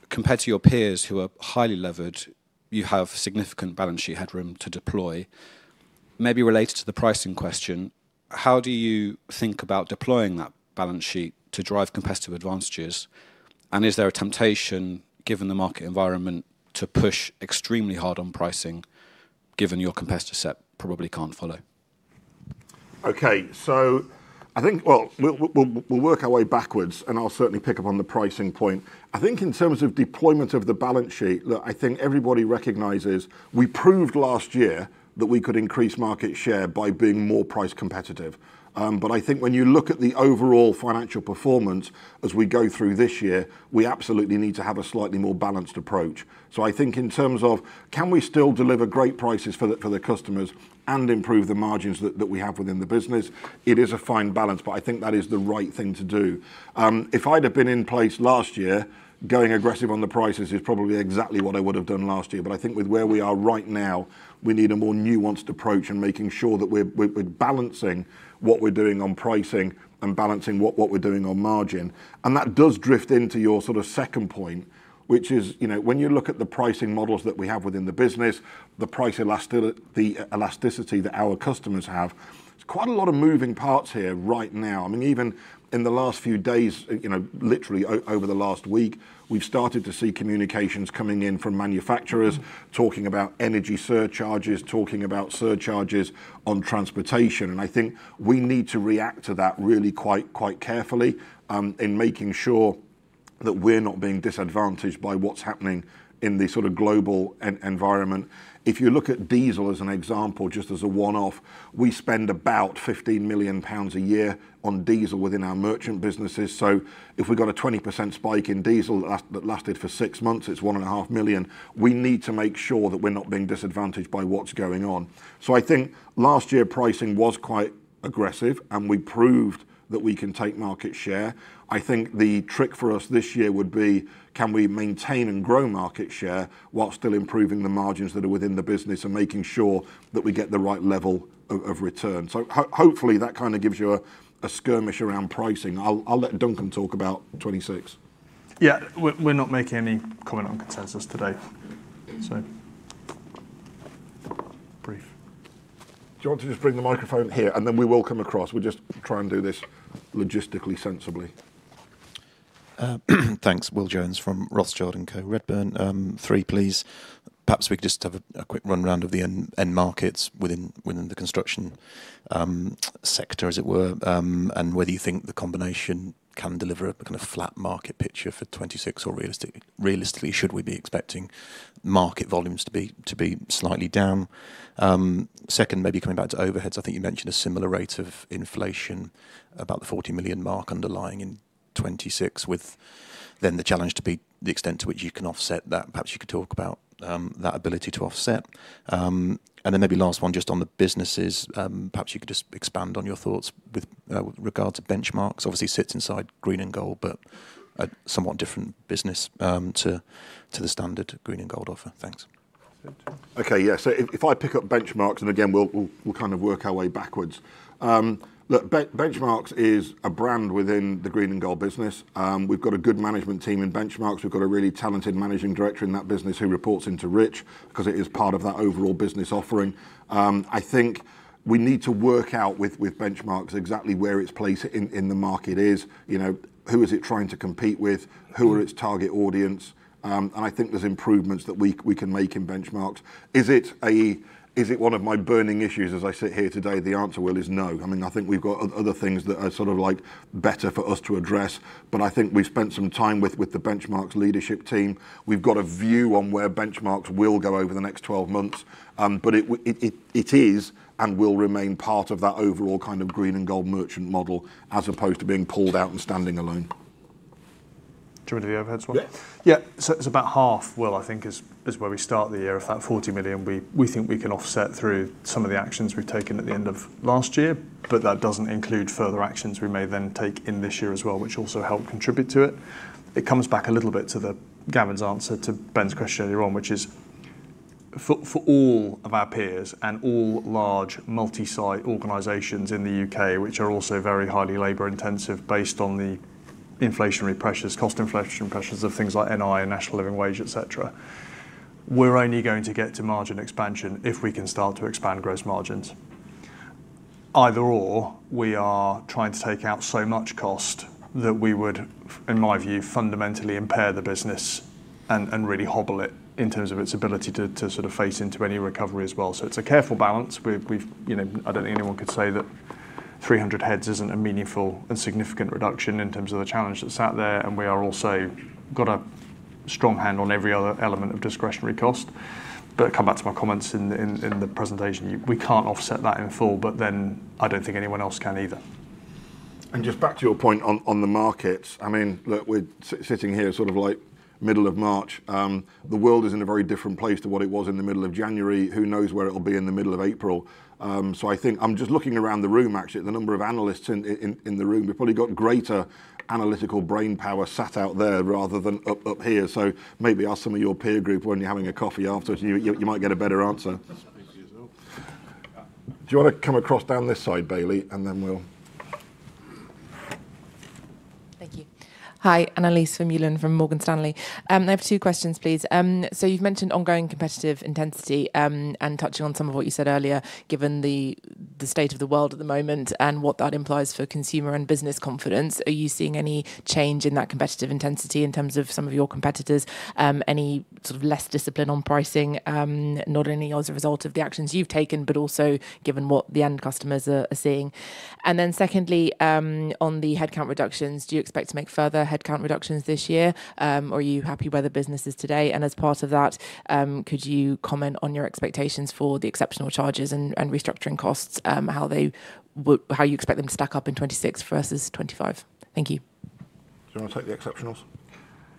Compared to your peers who are highly levered, you have significant balance sheet headroom to deploy. Maybe related to the pricing question, how do you think about deploying that balance sheet to drive competitive advantages? Is there a temptation, given the market environment, to push extremely hard on pricing given your competitor set probably can't follow? Okay. I think, well, we'll work our way backwards, and I'll certainly pick up on the pricing point. I think in terms of deployment of the balance sheet, look, I think everybody recognizes we proved last year that we could increase market share by being more price competitive. But I think when you look at the overall financial performance as we go through this year, we absolutely need to have a slightly more balanced approach. I think in terms of can we still deliver great prices for the customers and improve the margins that we have within the business, it is a fine balance, but I think that is the right thing to do. If I'd have been in place last year, going aggressive on the prices is probably exactly what I would have done last year. I think with where we are right now, we need a more nuanced approach and making sure that we're balancing what we're doing on pricing and balancing what we're doing on margin. That does drift into your sort of second point, which is, you know, when you look at the pricing models that we have within the business, the elasticity that our customers have, there's quite a lot of moving parts here right now. I mean, even in the last few days, you know, literally over the last week, we've started to see communications coming in from manufacturers talking about energy surcharges, talking about surcharges on transportation. I think we need to react to that really quite carefully, in making sure that we're not being disadvantaged by what's happening in the sort of global environment. If you look at diesel as an example, just as a one-off, we spend about 15 million pounds a year on diesel within our merchant businesses. If we got a 20% spike in diesel that lasted for six months, it's 1.5 million. We need to make sure that we're not being disadvantaged by what's going on. I think last year pricing was quite aggressive, and we proved that we can take market share. I think the trick for us this year would be, can we maintain and grow market share while still improving the margins that are within the business and making sure that we get the right level of return? Hopefully, that kinda gives you a sketch around pricing. I'll let Duncan talk about 2026. Yeah. We're not making any comment on consensus today. Brief. Do you want to just bring the microphone here, and then we will come across. We'll just try and do this logistically sensibly. Thanks. Will Jones from Rothschild & Co, Redburn. Three, please. Perhaps we could just have a quick run round of the end markets within the construction sector, as it were, and whether you think the combination can deliver a kind of flat market picture for 2026 or, realistically, should we be expecting market volumes to be slightly down? Second, maybe coming back to overheads. I think you mentioned a similar rate of inflation about the 40 million mark underlying in 2026, with then the challenge to be the extent to which you can offset that. Perhaps you could talk about that ability to offset. Maybe last one just on the businesses. Perhaps you could just expand on your thoughts with regard to Benchmarx. Obviously, sits inside Green and Gold, but a somewhat different business, to the standard Green and Gold offer. Thanks. Okay. Yeah. If I pick up Benchmarx, and again we'll kind of work our way backwards. Look, Benchmarx is a brand within the Green & Gold business. We've got a good management team in Benchmarx. We've got a really talented managing director in that business who reports into Rich 'cause it is part of that overall business offering. I think we need to work out with Benchmarx exactly where its place in the market is. You know, who is it trying to compete with? Who are its target audience? I think there's improvements that we can make in Benchmarx. Is it one of my burning issues as I sit here today? The answer, Will, is no. I mean, I think we've got other things that are sort of like better for us to address. I think we've spent some time with the Benchmarx leadership team. We've got a view on where Benchmarx will go over the next 12 months. It is and will remain part of that overall kind of Green & Gold merchant model as opposed to being pulled out and standing alone. Do you want to do the overheads one? Yeah. It's about half, Will, I think is where we start the year. Of that 40 million, we think we can offset through some of the actions we've taken at the end of last year. But that doesn't include further actions we may then take in this year as well, which also help contribute to it. It comes back a little bit to Gavin's answer to Ben's question earlier on, which is for all of our peers and all large multi-site organizations in the UK, which are also very highly labor-intensive based on the inflationary pressures, cost inflation pressures of things like NI and National Living Wage, et cetera, we're only going to get to margin expansion if we can start to expand gross margins. Either or, we are trying to take out so much cost that we would, in my view, fundamentally impair the business and really hobble it in terms of its ability to sort of face into any recovery as well. It's a careful balance. We've. You know, I don't think anyone could say that 300 heads isn't a meaningful and significant reduction in terms of the challenge that's out there, and we are also got a strong hand on every other element of discretionary cost. I come back to my comments in the presentation. We can't offset that in full, but then I don't think anyone else can either. Just back to your point on the markets. I mean, look, we're sitting here sort of like middle of March. The world is in a very different place to what it was in the middle of January. Who knows where it'll be in the middle of April. I think I'm just looking around the room actually, the number of analysts in the room. We've probably got greater analytical brainpower sat out there rather than up here. Maybe ask some of your peer group when you're having a coffee afterwards, you might get a better answer. Do you wanna come across down this side, Bailey, and then we'll Thank you. Hi. Annelise Vermeulen from Morgan Stanley. I have two questions, please. You've mentioned ongoing competitive intensity, and touching on some of what you said earlier, given the state of the world at the moment and what that implies for consumer and business confidence. Are you seeing any change in that competitive intensity in terms of some of your competitors? Any sort of less discipline on pricing, not only as a result of the actions you've taken, but also given what the end customers are seeing. Secondly, on the headcount reductions, do you expect to make further headcount reductions this year? Are you happy where the business is today? As part of that, could you comment on your expectations for the exceptional charges and restructuring costs, how you expect them to stack up in 2026 versus 2025? Thank you. Do you wanna take the exceptionals?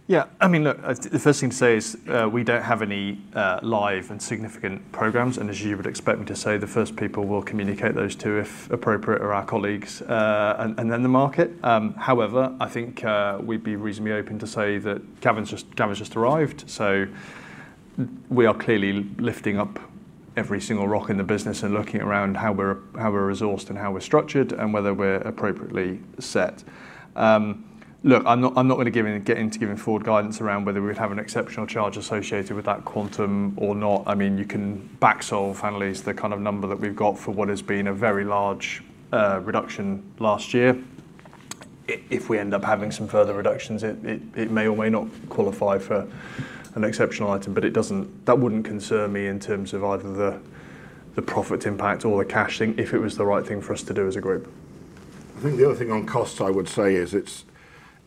Yeah. I mean, look, the first thing to say is, we don't have any live and significant programs. As you would expect me to say, the first people we'll communicate those to, if appropriate, are our colleagues, and then the market. However, I think, we'd be reasonably open to say that Gavin's just arrived. We are clearly lifting up every single rock in the business and looking around how we're resourced and how we're structured and whether we're appropriately set. Look, I'm not gonna get into giving forward guidance around whether we'd have an exceptional charge associated with that quantum or not. I mean, you can back into, Annelise, the kind of number that we've got for what has been a very large reduction last year. If we end up having some further reductions, it may or may not qualify for an exceptional item, but it doesn't, that wouldn't concern me in terms of either the profit impact or the cash thing if it was the right thing for us to do as a group. I think the other thing on costs I would say is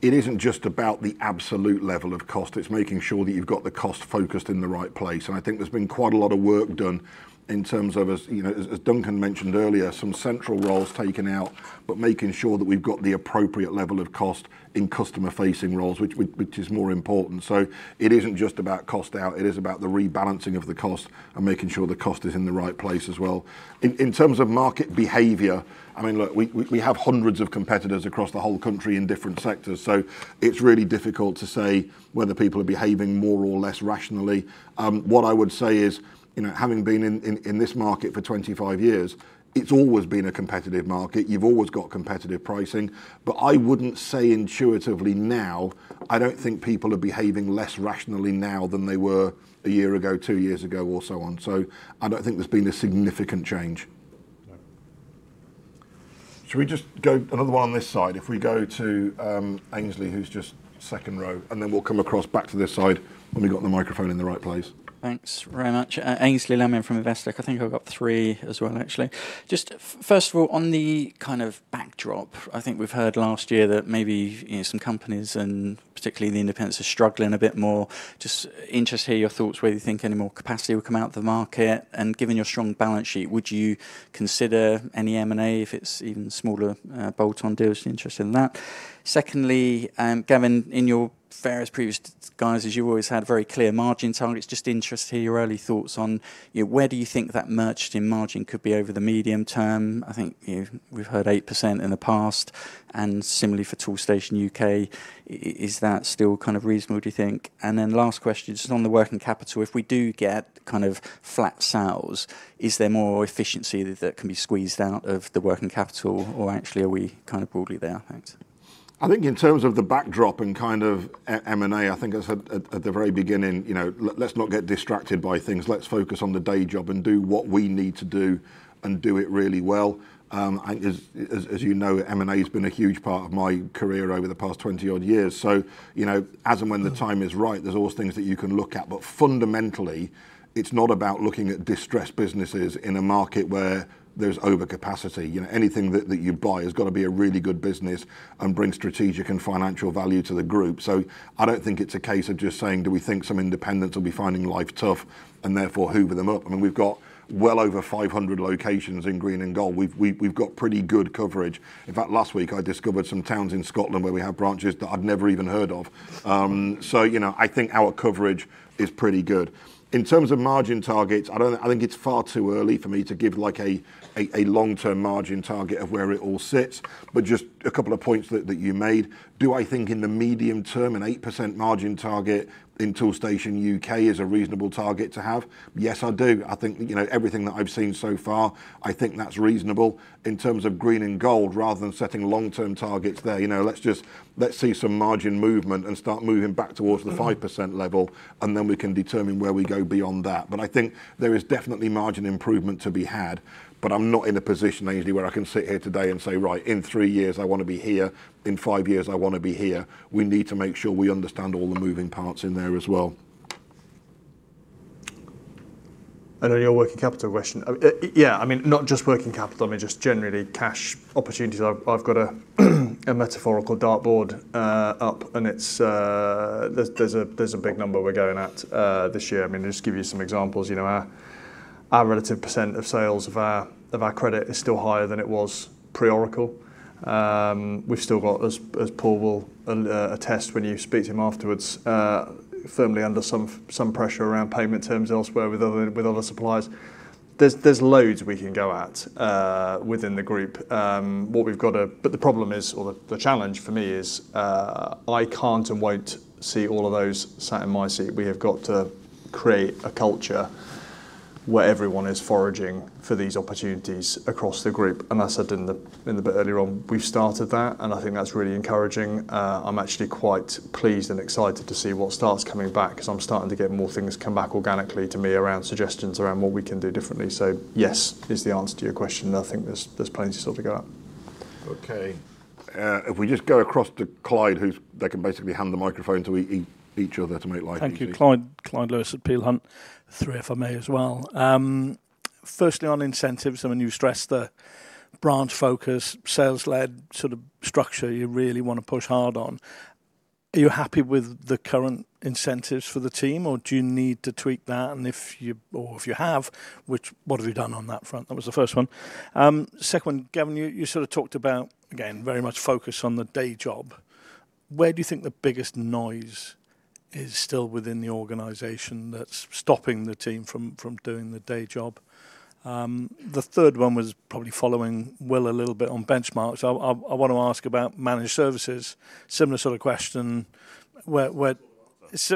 it isn't just about the absolute level of cost, it's making sure that you've got the cost focused in the right place. I think there's been quite a lot of work done in terms of, as you know, as Duncan mentioned earlier, some central roles taken out, but making sure that we've got the appropriate level of cost in customer-facing roles, which is more important. It isn't just about cost out, it is about the rebalancing of the cost and making sure the cost is in the right place as well. In terms of market behavior, I mean, look, we have hundreds of competitors across the whole country in different sectors. It's really difficult to say whether people are behaving more or less rationally. What I would say is, you know, having been in this market for 25 years, it's always been a competitive market. You've always got competitive pricing. I wouldn't say intuitively now, I don't think people are behaving less rationally now than they were a year ago, two years ago, or so on. I don't think there's been a significant change. Should we just go another one on this side? If we go to Aynsley, who's just second row, and then we'll come across back to this side when we got the microphone in the right place. Thanks very much. Aynsley Lammin from Investec. I think I've got three as well, actually. Just first of all, on the kind of backdrop, I think we've heard last year that maybe, you know, some companies and particularly the independents are struggling a bit more. Just interested to hear your thoughts, whether you think any more capacity will come out of the market. Given your strong balance sheet, would you consider any M&A if it's even smaller, bolt-on deals? Interested in that. Secondly, Gavin, in your various previous guises, you've always had a very clear margin target. It's just interesting to hear your early thoughts on, you know, where do you think that merchanting margin could be over the medium term? I think, you know, we've heard 8% in the past, and similarly for Toolstation UK. Is that still kind of reasonable, do you think? Last question, just on the working capital. If we do get kind of flat sales, is there more efficiency that can be squeezed out of the working capital, or actually are we kind of broadly there? Thanks. I think in terms of the backdrop and kind of M&A, I think as I said at the very beginning, you know, let's not get distracted by things. Let's focus on the day job and do what we need to do and do it really well. As you know, M&A has been a huge part of my career over the past 20-odd years. You know, as and when the time is right, there's always things that you can look at. But fundamentally, it's not about looking at distressed businesses in a market where there's overcapacity. You know, anything that you buy has got to be a really good business and bring strategic and financial value to the group. I don't think it's a case of just saying, do we think some independents will be finding life tough and therefore hoover them up? I mean, we've got well over 500 locations in Green and Gold. We've got pretty good coverage. In fact, last week I discovered some towns in Scotland where we have branches that I'd never even heard of. You know, I think our coverage is pretty good. In terms of margin targets, I think it's far too early for me to give like a long-term margin target of where it all sits. Just a couple of points that you made. Do I think in the medium term, an 8% margin target in Toolstation UK is a reasonable target to have? Yes, I do. I think, you know, everything that I've seen so far, I think that's reasonable. In terms of Green and Gold, rather than setting long-term targets there, you know, let's see some margin movement and start moving back towards the 5% level, and then we can determine where we go beyond that. I think there is definitely margin improvement to be had, but I'm not in a position, Angie, where I can sit here today and say, "Right, in three years I want to be here. In five years I want to be here." We need to make sure we understand all the moving parts in there as well. I know your working capital question. Yeah, I mean, not just working capital, I mean, just generally cash opportunities. I've got a metaphorical dartboard up, and there's a big number we're going at this year. I mean, just give you some examples. You know, our relative percent of sales of our credit is still higher than it was pre-Oracle. We've still got, as Paul will attest when you speak to him afterwards, firmly under some pressure around payment terms elsewhere with other suppliers. There's loads we can go at within the group. The problem is, or the challenge for me is, I can't and won't see all of those sat in my seat. We have got to create a culture where everyone is foraging for these opportunities across the group. As I said in the bit earlier on, we've started that, and I think that's really encouraging. I'm actually quite pleased and excited to see what starts coming back 'cause I'm starting to get more things come back organically to me around suggestions around what we can do differently. Yes, is the answer to your question. I think there's plenty still to go at. Okay. If we just go across to Clyde, they can basically hand the microphone to each other to make life easy. Thank you. Clyde Lewis at Peel Hunt. Three if I may as well. Firstly, on incentives, I mean, you stressed the branch focus, sales-led sort of structure you really want to push hard on. Are you happy with the current incentives for the team or do you need to tweak that? And if you have, what have you done on that front? That was the first one. Second one, Gavin, you sort of talked about, again, very much focus on the day job. Where do you think the biggest noise is still within the organization that's stopping the team from doing the day job? The third one was probably following Will a little bit on Benchmarx. I want to ask about Managed Services. Similar sort of question. Where, Short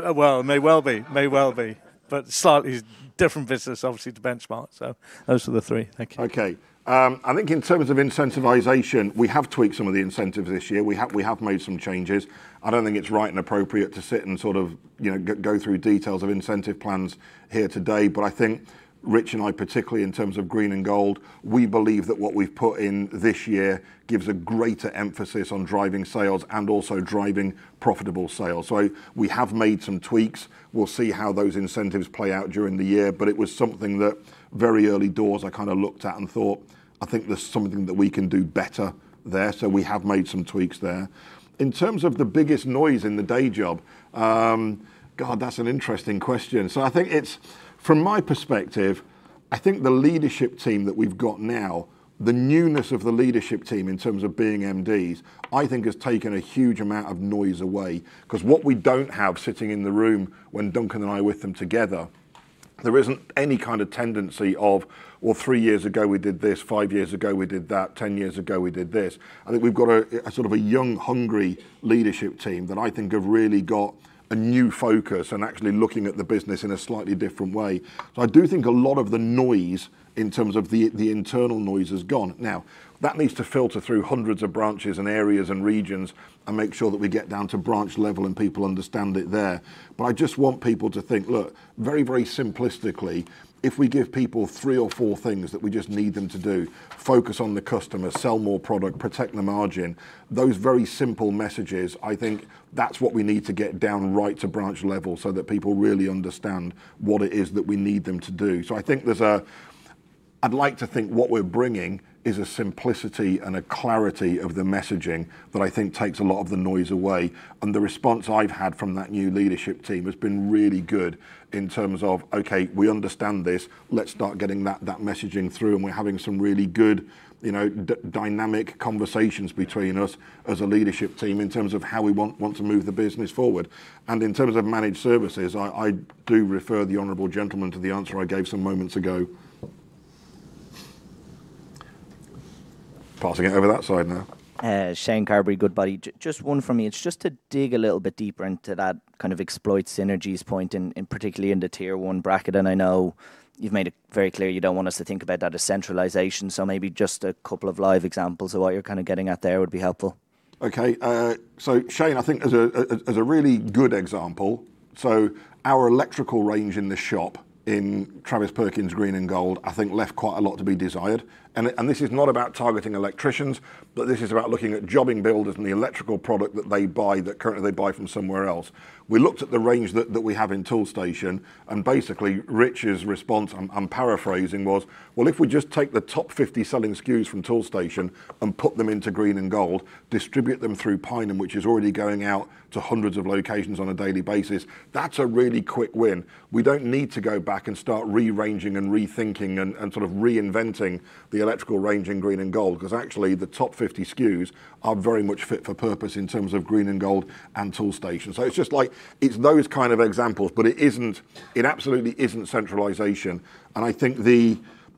answer. Well, it may well be. May well be, but slightly different business, obviously, to Benchmarx. Those are the three. Thank you. Okay. I think in terms of incentivization, we have tweaked some of the incentives this year. We have made some changes. I don't think it's right and appropriate to sit and sort of, you know, go through details of incentive plans here today. I think Rich and I, particularly in terms of Green and Gold, we believe that what we've put in this year gives a greater emphasis on driving sales and also driving profitable sales. We have made some tweaks. We'll see how those incentives play out during the year, but it was something that very early doors I kind of looked at and thought, "I think there's something that we can do better there." We have made some tweaks there. In terms of the biggest noise in the day job, God, that's an interesting question. I think it's, from my perspective, I think the leadership team that we've got now, the newness of the leadership team in terms of being MDs, I think has taken a huge amount of noise away. 'Cause what we don't have sitting in the room when Duncan and I are with them together, there isn't any kind of tendency of, "Well, three years ago we did this, five years ago we did that, ten years ago we did this." I think we've got a sort of young, hungry leadership team that I think have really got a new focus and actually looking at the business in a slightly different way. I do think a lot of the noise in terms of the internal noise has gone. Now, that needs to filter through hundreds of branches and areas and regions and make sure that we get down to branch level and people understand it there. I just want people to think, look, very, very simplistically, if we give people three or four things that we just need them to do, focus on the customer, sell more product, protect the margin, those very simple messages, I think that's what we need to get down right to branch level so that people really understand what it is that we need them to do. I think I'd like to think what we're bringing is a simplicity and a clarity of the messaging that I think takes a lot of the noise away. The response I've had from that new leadership team has been really good in terms of, okay, we understand this, let's start getting that messaging through, and we're having some really good, you know, dynamic conversations between us as a leadership team in terms of how we want to move the business forward. In terms of managed services, I do refer the honorable gentleman to the answer I gave some moments ago. Passing it over that side now. Shane Carberry, Goodbody. Just one from me. It's just to dig a little bit deeper into that kind of exploit synergies point, particularly in the tier one bracket. I know you've made it very clear you don't want us to think about that as centralization. Maybe just a couple of live examples of what you're kind of getting at there would be helpful. Shane, I think as a really good example, our electrical range in the shop in Travis Perkins Green and Gold, I think left quite a lot to be desired. This is not about targeting electricians, but this is about looking at jobbing builders and the electrical product that they buy, that currently they buy from somewhere else. We looked at the range that we have in Toolstation, and basically Rich's response, I'm paraphrasing, was, "Well, if we just take the top 50 selling SKUs from Toolstation and put them into Green and Gold, distribute them through Pineham, which is already going out to hundreds of locations on a daily basis, that's a really quick win. We don't need to go back and start rearranging and rethinking and sort of reinventing the electrical range in Green and Gold, 'cause actually the top 50 SKUs are very much fit for purpose in terms of Green and Gold and Toolstation. It's just like, it's those kind of examples, but it isn't-- it absolutely isn't centralization. I think the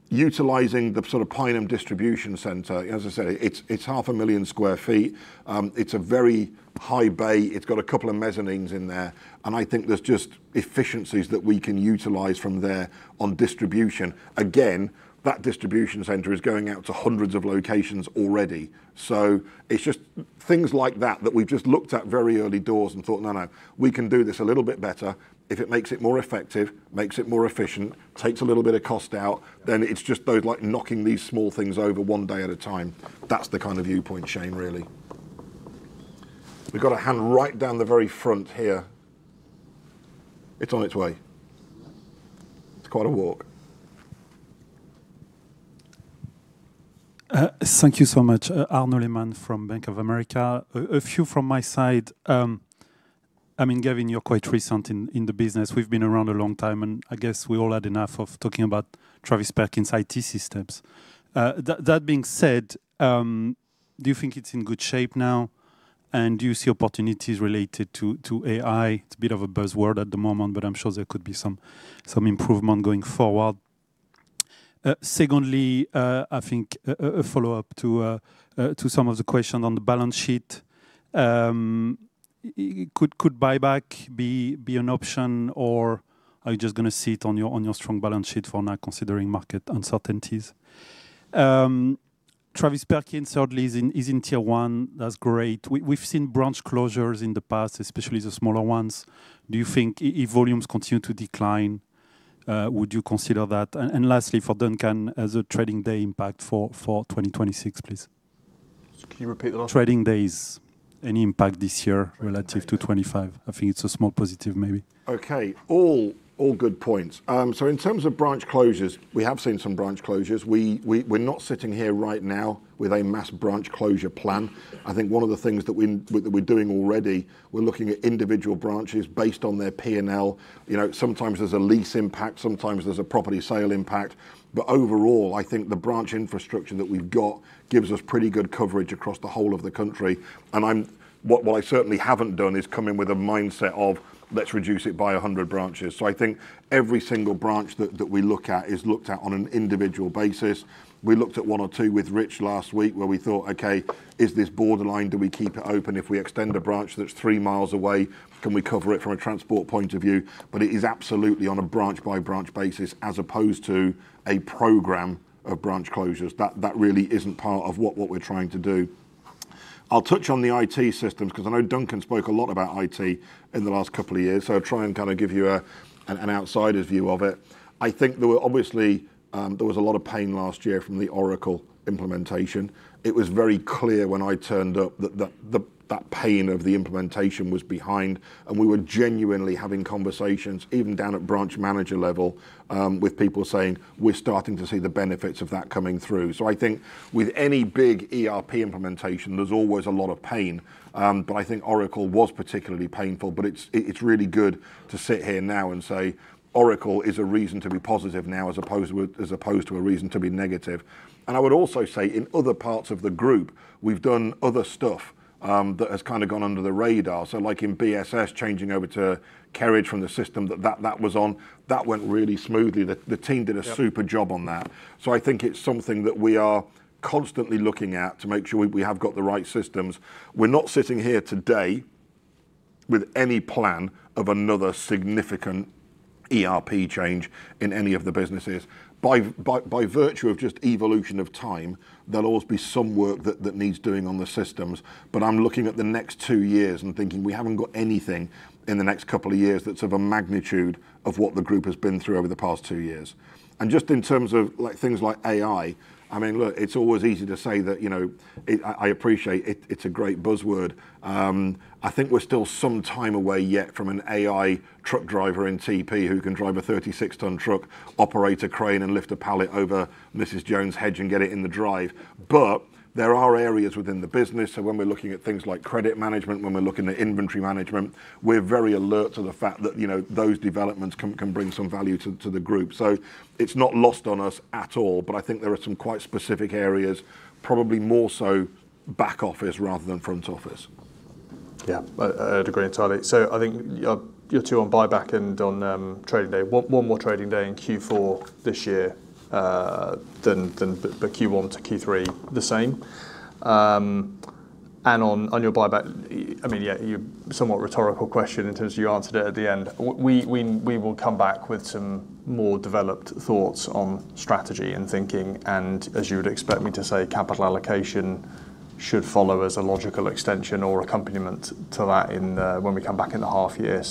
utilizing the sort of Pineham distribution center, as I said, it's half a million square feet. It's a very high bay. It's got a couple of mezzanines in there. I think there's just efficiencies that we can utilize from there on distribution. Again, that distribution center is going out to hundreds of locations already. It's just things like that we've just looked at very early doors and thought, "No, no. We can do this a little bit better. If it makes it more effective, makes it more efficient, takes a little bit of cost out, then it's just those like knocking these small things over one day at a time. That's the kind of viewpoint, Shane, really. We've got a hand right down the very front here. It's on its way. It's quite a walk. Thank you so much. Arnaud Lehmann from Bank of America. A few from my side. I mean, Gavin, you're quite recent in the business. We've been around a long time, and I guess we all had enough of talking about Travis Perkins' IT systems. That being said, do you think it's in good shape now? And do you see opportunities related to AI? It's a bit of a buzzword at the moment, but I'm sure there could be some improvement going forward. Secondly, I think a follow-up to some of the question on the balance sheet. Could buyback be an option or are you just gonna sit on your strong balance sheet for now considering market uncertainties? Travis Perkins certainly is in tier one. That's great. We've seen branch closures in the past, especially the smaller ones. Do you think if volumes continue to decline, would you consider that? Lastly, for Duncan, what's the trading day impact for 2026, please. Can you repeat the last one? Trading days, any impact this year relative to 2025? I think it's a small positive maybe. Okay. All good points. In terms of branch closures, we have seen some branch closures. We're not sitting here right now with a mass branch closure plan. I think one of the things that we're doing already, we're looking at individual branches based on their P&L. You know, sometimes there's a lease impact, sometimes there's a property sale impact. Overall, I think the branch infrastructure that we've got gives us pretty good coverage across the whole of the country. What I certainly haven't done is come in with a mindset of, let's reduce it by 100 branches. I think every single branch that we look at is looked at on an individual basis. We looked at one or two with Rich last week where we thought, "Okay, is this borderline? Do we keep it open? If we extend a branch that's three miles away, can we cover it from a transport point of view? It is absolutely on a branch by branch basis, as opposed to a program of branch closures. That really isn't part of what we're trying to do. I'll touch on the IT systems because I know Duncan spoke a lot about IT in the last couple of years. I'll try and kind of give you an outsider's view of it. I think there was obviously a lot of pain last year from the Oracle implementation. It was very clear when I turned up that the pain of the implementation was behind, and we were genuinely having conversations even down at branch manager level with people saying, "We're starting to see the benefits of that coming through." I think with any big ERP implementation, there's always a lot of pain. I think Oracle was particularly painful, but it's really good to sit here now and say Oracle is a reason to be positive now as opposed to a reason to be negative. I would also say in other parts of the group, we've done other stuff that has kinda gone under the radar. Like in BSS, changing over to Kerridge from the system that was on, that went really smoothly. The team did a super job on that. I think it's something that we are constantly looking at to make sure we have got the right systems. We're not sitting here today with any plan of another significant ERP change in any of the businesses. By virtue of just evolution of time, there'll always be some work that needs doing on the systems. I'm looking at the next two years and thinking we haven't got anything in the next couple of years that's of a magnitude of what the group has been through over the past two years. Just in terms of like things like AI, I mean, look, it's always easy to say that, you know, I appreciate it's a great buzzword. I think we're still some time away yet from an AI truck driver in TP who can drive a 36-ton truck, operate a crane and lift a pallet over Mrs. Jones' hedge and get it in the drive. There are areas within the business. When we're looking at things like credit management, when we're looking at inventory management, we're very alert to the fact that, you know, those developments can bring some value to the group. It's not lost on us at all, but I think there are some quite specific areas, probably more so back office rather than front office. Yeah. I agree entirely. I think your two on buyback and on trading day. One more trading day in Q4 this year than the Q1 to Q3 the same. On your buyback, I mean, yeah, your somewhat rhetorical question in terms of you answered it at the end. We will come back with some more developed thoughts on strategy and thinking. As you would expect me to say, capital allocation should follow as a logical extension or accompaniment to that when we come back in the half year.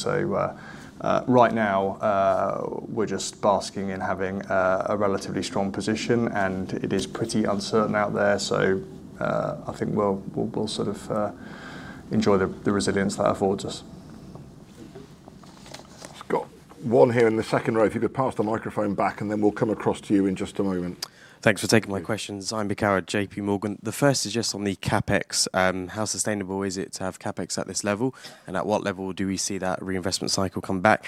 Right now, we're just basking in having a relatively strong position, and it is pretty uncertain out there. I think we'll sort of enjoy the resilience that affords us. Just got one here in the second row. If you could pass the microphone back, and then we'll come across to you in just a moment. Thanks for taking my questions. I'm Zaim Beekawa, JPMorgan. The first is just on the CapEx. How sustainable is it to have CapEx at this level? At what level do we see that reinvestment cycle come back?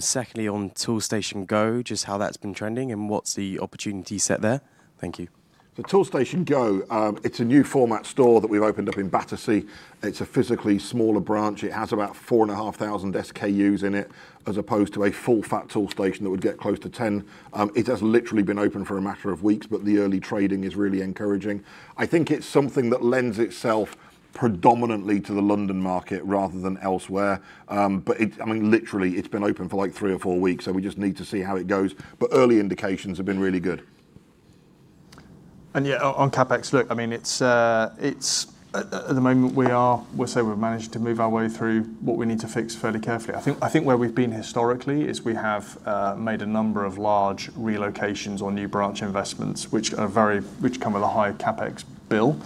Secondly, on Toolstation Go, just how that's been trending and what's the opportunity set there? Thank you. The Toolstation Go, it's a new format store that we've opened up in Battersea. It's a physically smaller branch. It has about 4,500 SKUs in it, as opposed to a full fat Toolstation that would get close to 10. It has literally been open for a matter of weeks, but the early trading is really encouraging. I think it's something that lends itself predominantly to the London market rather than elsewhere. I mean, literally, it's been open for, like, three or four weeks, so we just need to see how it goes. Early indications have been really good. Yeah, on CapEx, look, I mean, it's at the moment we say we've managed to move our way through what we need to fix fairly carefully. I think where we've been historically is we have made a number of large relocations or new branch investments, which come with a higher CapEx bill.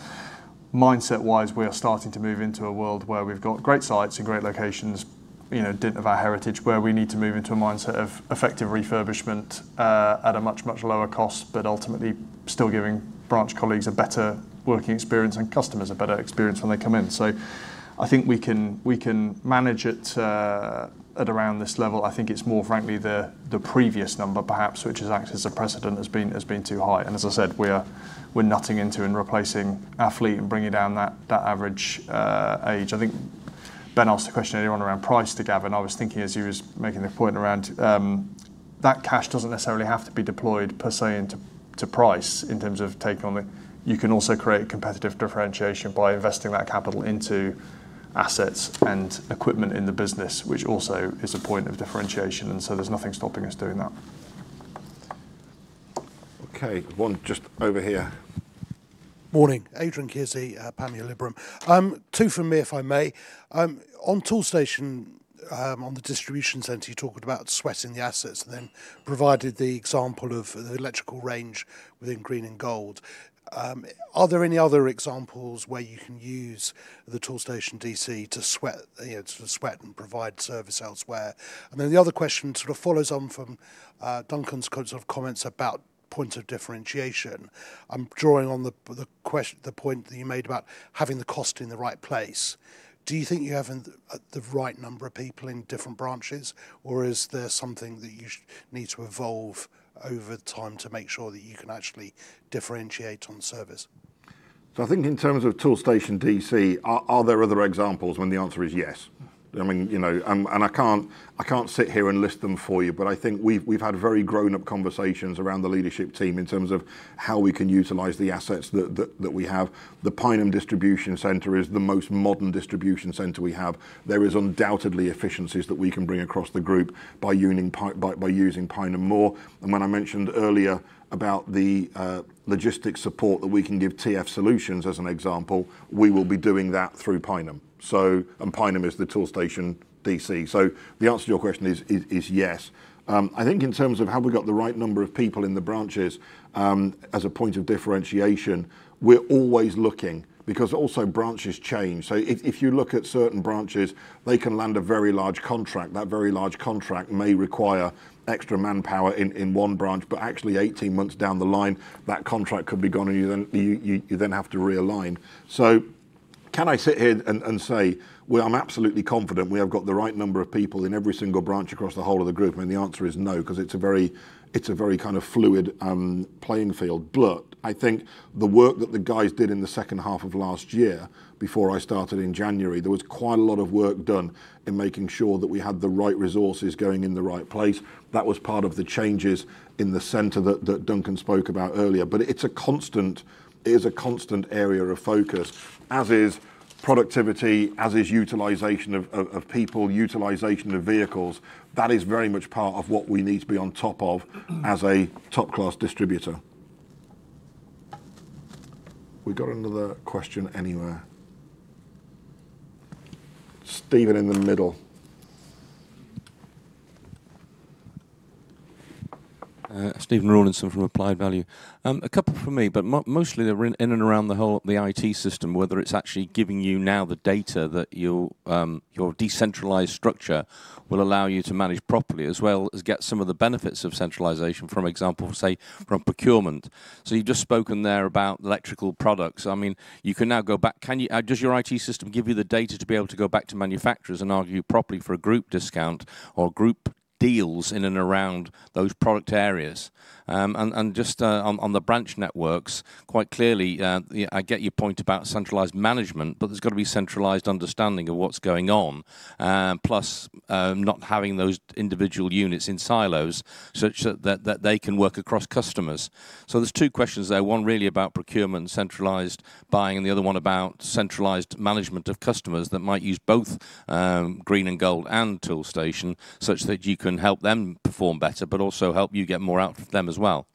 Mindset-wise, we are starting to move into a world where we've got great sites and great locations, you know, dint of our heritage, where we need to move into a mindset of effective refurbishment at a much lower cost, but ultimately still giving branch colleagues a better working experience and customers a better experience when they come in. I think we can manage it at around this level. I think it's more frankly the previous number perhaps, which has acted as a precedent, has been too high. As I said, we're investing in and replacing our fleet and bringing down that average age. I think Ben asked a question earlier on around price to Gavin. I was thinking as he was making the point around that cash doesn't necessarily have to be deployed per se to price in terms of taking on the. You can also create competitive differentiation by investing that capital into assets and equipment in the business, which also is a point of differentiation. There's nothing stopping us doing that. Okay. One just over here. Morning. Adrian Kearsey, Panmure Liberum. Two from me, if I may. On Toolstation, on the distribution center, you talked about sweating the assets and then provided the example of the electrical range within Green and Gold. Are there any other examples where you can use the Toolstation DC to sweat, you know, to sweat and provide service elsewhere? The other question sort of follows on from Duncan's kind of comments about points of differentiation. I'm drawing on the point that you made about having the cost in the right place. Do you think you have the right number of people in different branches, or is there something that you need to evolve over time to make sure that you can actually differentiate on service? I think in terms of Toolstation DC, are there other examples when the answer is yes? I mean, you know, I can't sit here and list them for you, but I think we've had very grown up conversations around the leadership team in terms of how we can utilize the assets that we have. The Pineham distribution center is the most modern distribution center we have. There is undoubtedly efficiencies that we can bring across the group by using Pineham more. When I mentioned earlier about the logistics support that we can give TF Solutions as an example, we will be doing that through Pineham. Pineham is the Toolstation DC. The answer to your question is yes. I think in terms of have we got the right number of people in the branches, as a point of differentiation, we're always looking because also branches change. If you look at certain branches, they can land a very large contract. That very large contract may require extra manpower in one branch, but actually 18 months down the line, that contract could be gone, and you then have to realign. Can I sit here and say, "Well, I'm absolutely confident we have got the right number of people in every single branch across the whole of the group?" I mean, the answer is no, 'cause it's a very kind of fluid playing field. I think the work that the guys did in the second half of last year before I started in January, there was quite a lot of work done in making sure that we had the right resources going in the right place. That was part of the changes in the center that Duncan spoke about earlier. It's a constant area of focus, as is productivity, as is utilization of people, utilization of vehicles. That is very much part of what we need to be on top of as a top-class distributor. We got another question anywhere? Stephen in the middle. Stephen Rawlinson from Applied Value. A couple from me, but mostly they're in and around the IT system, whether it's actually giving you now the data that your decentralized structure will allow you to manage properly, as well as get some of the benefits of centralization, for example, say, from procurement. You've just spoken there about electrical products. I mean, you can now go back. Does your IT system give you the data to be able to go back to manufacturers and argue properly for a group discount or group purchasing deals in and around those product areas. Just on the branch networks, quite clearly, I get your point about centralized management, but there's gotta be centralized understanding of what's going on, plus not having those individual units in silos such that they can work across customers. There's two questions there, one really about procurement, centralized buying, and the other one about centralized management of customers that might use both Green and Gold and Toolstation such that you can help them perform better but also help you get more out of them as well.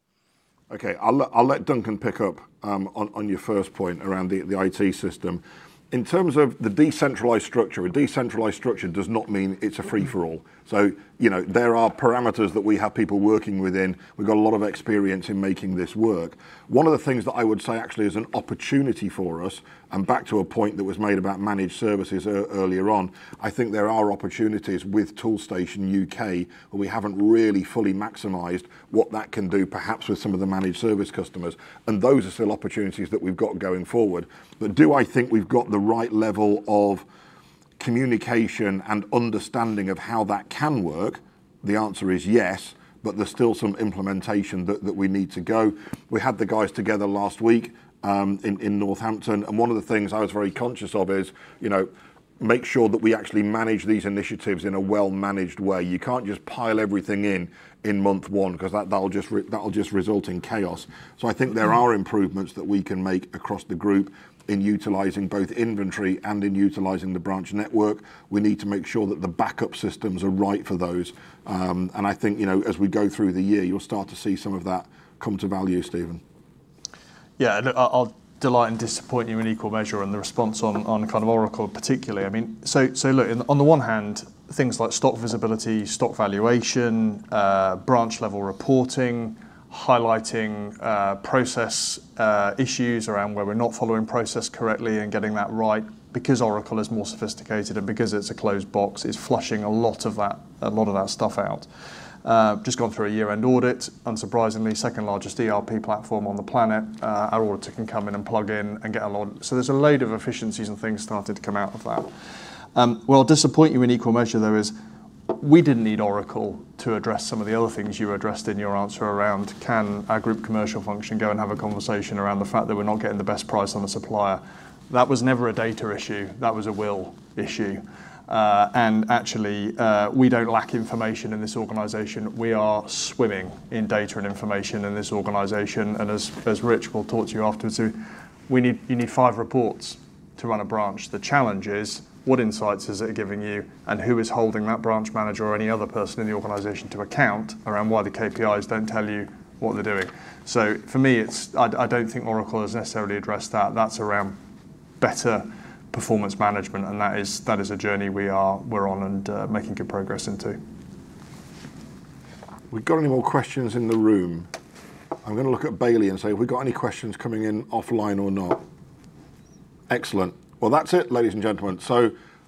Okay. I'll let Duncan pick up on your first point around the IT system. In terms of the decentralized structure, a decentralized structure does not mean it's a free-for-all. You know, there are parameters that we have people working within. We've got a lot of experience in making this work. One of the things that I would say actually is an opportunity for us, and back to a point that was made about managed services earlier on, I think there are opportunities with Toolstation UK where we haven't really fully maximized what that can do perhaps with some of the managed service customers, and those are still opportunities that we've got going forward. Do I think we've got the right level of communication and understanding of how that can work? The answer is yes, but there's still some implementation that we need to go. We had the guys together last week in Northampton, and one of the things I was very conscious of is, you know, make sure that we actually manage these initiatives in a well-managed way. You can't just pile everything in in month one 'cause that'll just result in chaos. I think there are improvements that we can make across the group in utilizing both inventory and in utilizing the branch network. We need to make sure that the backup systems are right for those. I think, you know, as we go through the year, you'll start to see some of that come to value, Stephen. Yeah. I'll delight and disappoint you in equal measure in the response on kind of Oracle particularly. I mean, look, on the one hand, things like stock visibility, stock valuation, branch level reporting, highlighting process issues around where we're not following process correctly and getting that right because Oracle is more sophisticated and because it's a closed box, it's flushing a lot of that stuff out. Just gone through a year-end audit. Unsurprisingly, second-largest ERP platform on the planet. Our auditor can come in and plug in and get a load. So there's a load of efficiencies and things started to come out of that. Where I'll disappoint you in equal measure, though, is we didn't need Oracle to address some of the other things you addressed in your answer around can our group commercial function go and have a conversation around the fact that we're not getting the best price on the supplier? That was never a data issue. That was a will issue. Actually, we don't lack information in this organization. We are swimming in data and information in this organization, and as Rich will talk to you afterwards, so we need, you need five reports to run a branch. The challenge is what insights is it giving you, and who is holding that branch manager or any other person in the organization to account around why the KPIs don't tell you what they're doing? For me it's, I don't think Oracle has necessarily addressed that. That's around better performance management, and that is a journey we're on and making good progress into. We've got any more questions in the room? I'm gonna look at Bailey and say, we've got any questions coming in offline or not? Excellent. Well, that's it, ladies and gentlemen.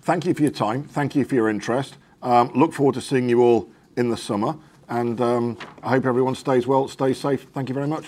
Thank you for your time. Thank you for your interest. Look forward to seeing you all in the summer, and I hope everyone stays well, stays safe. Thank you very much.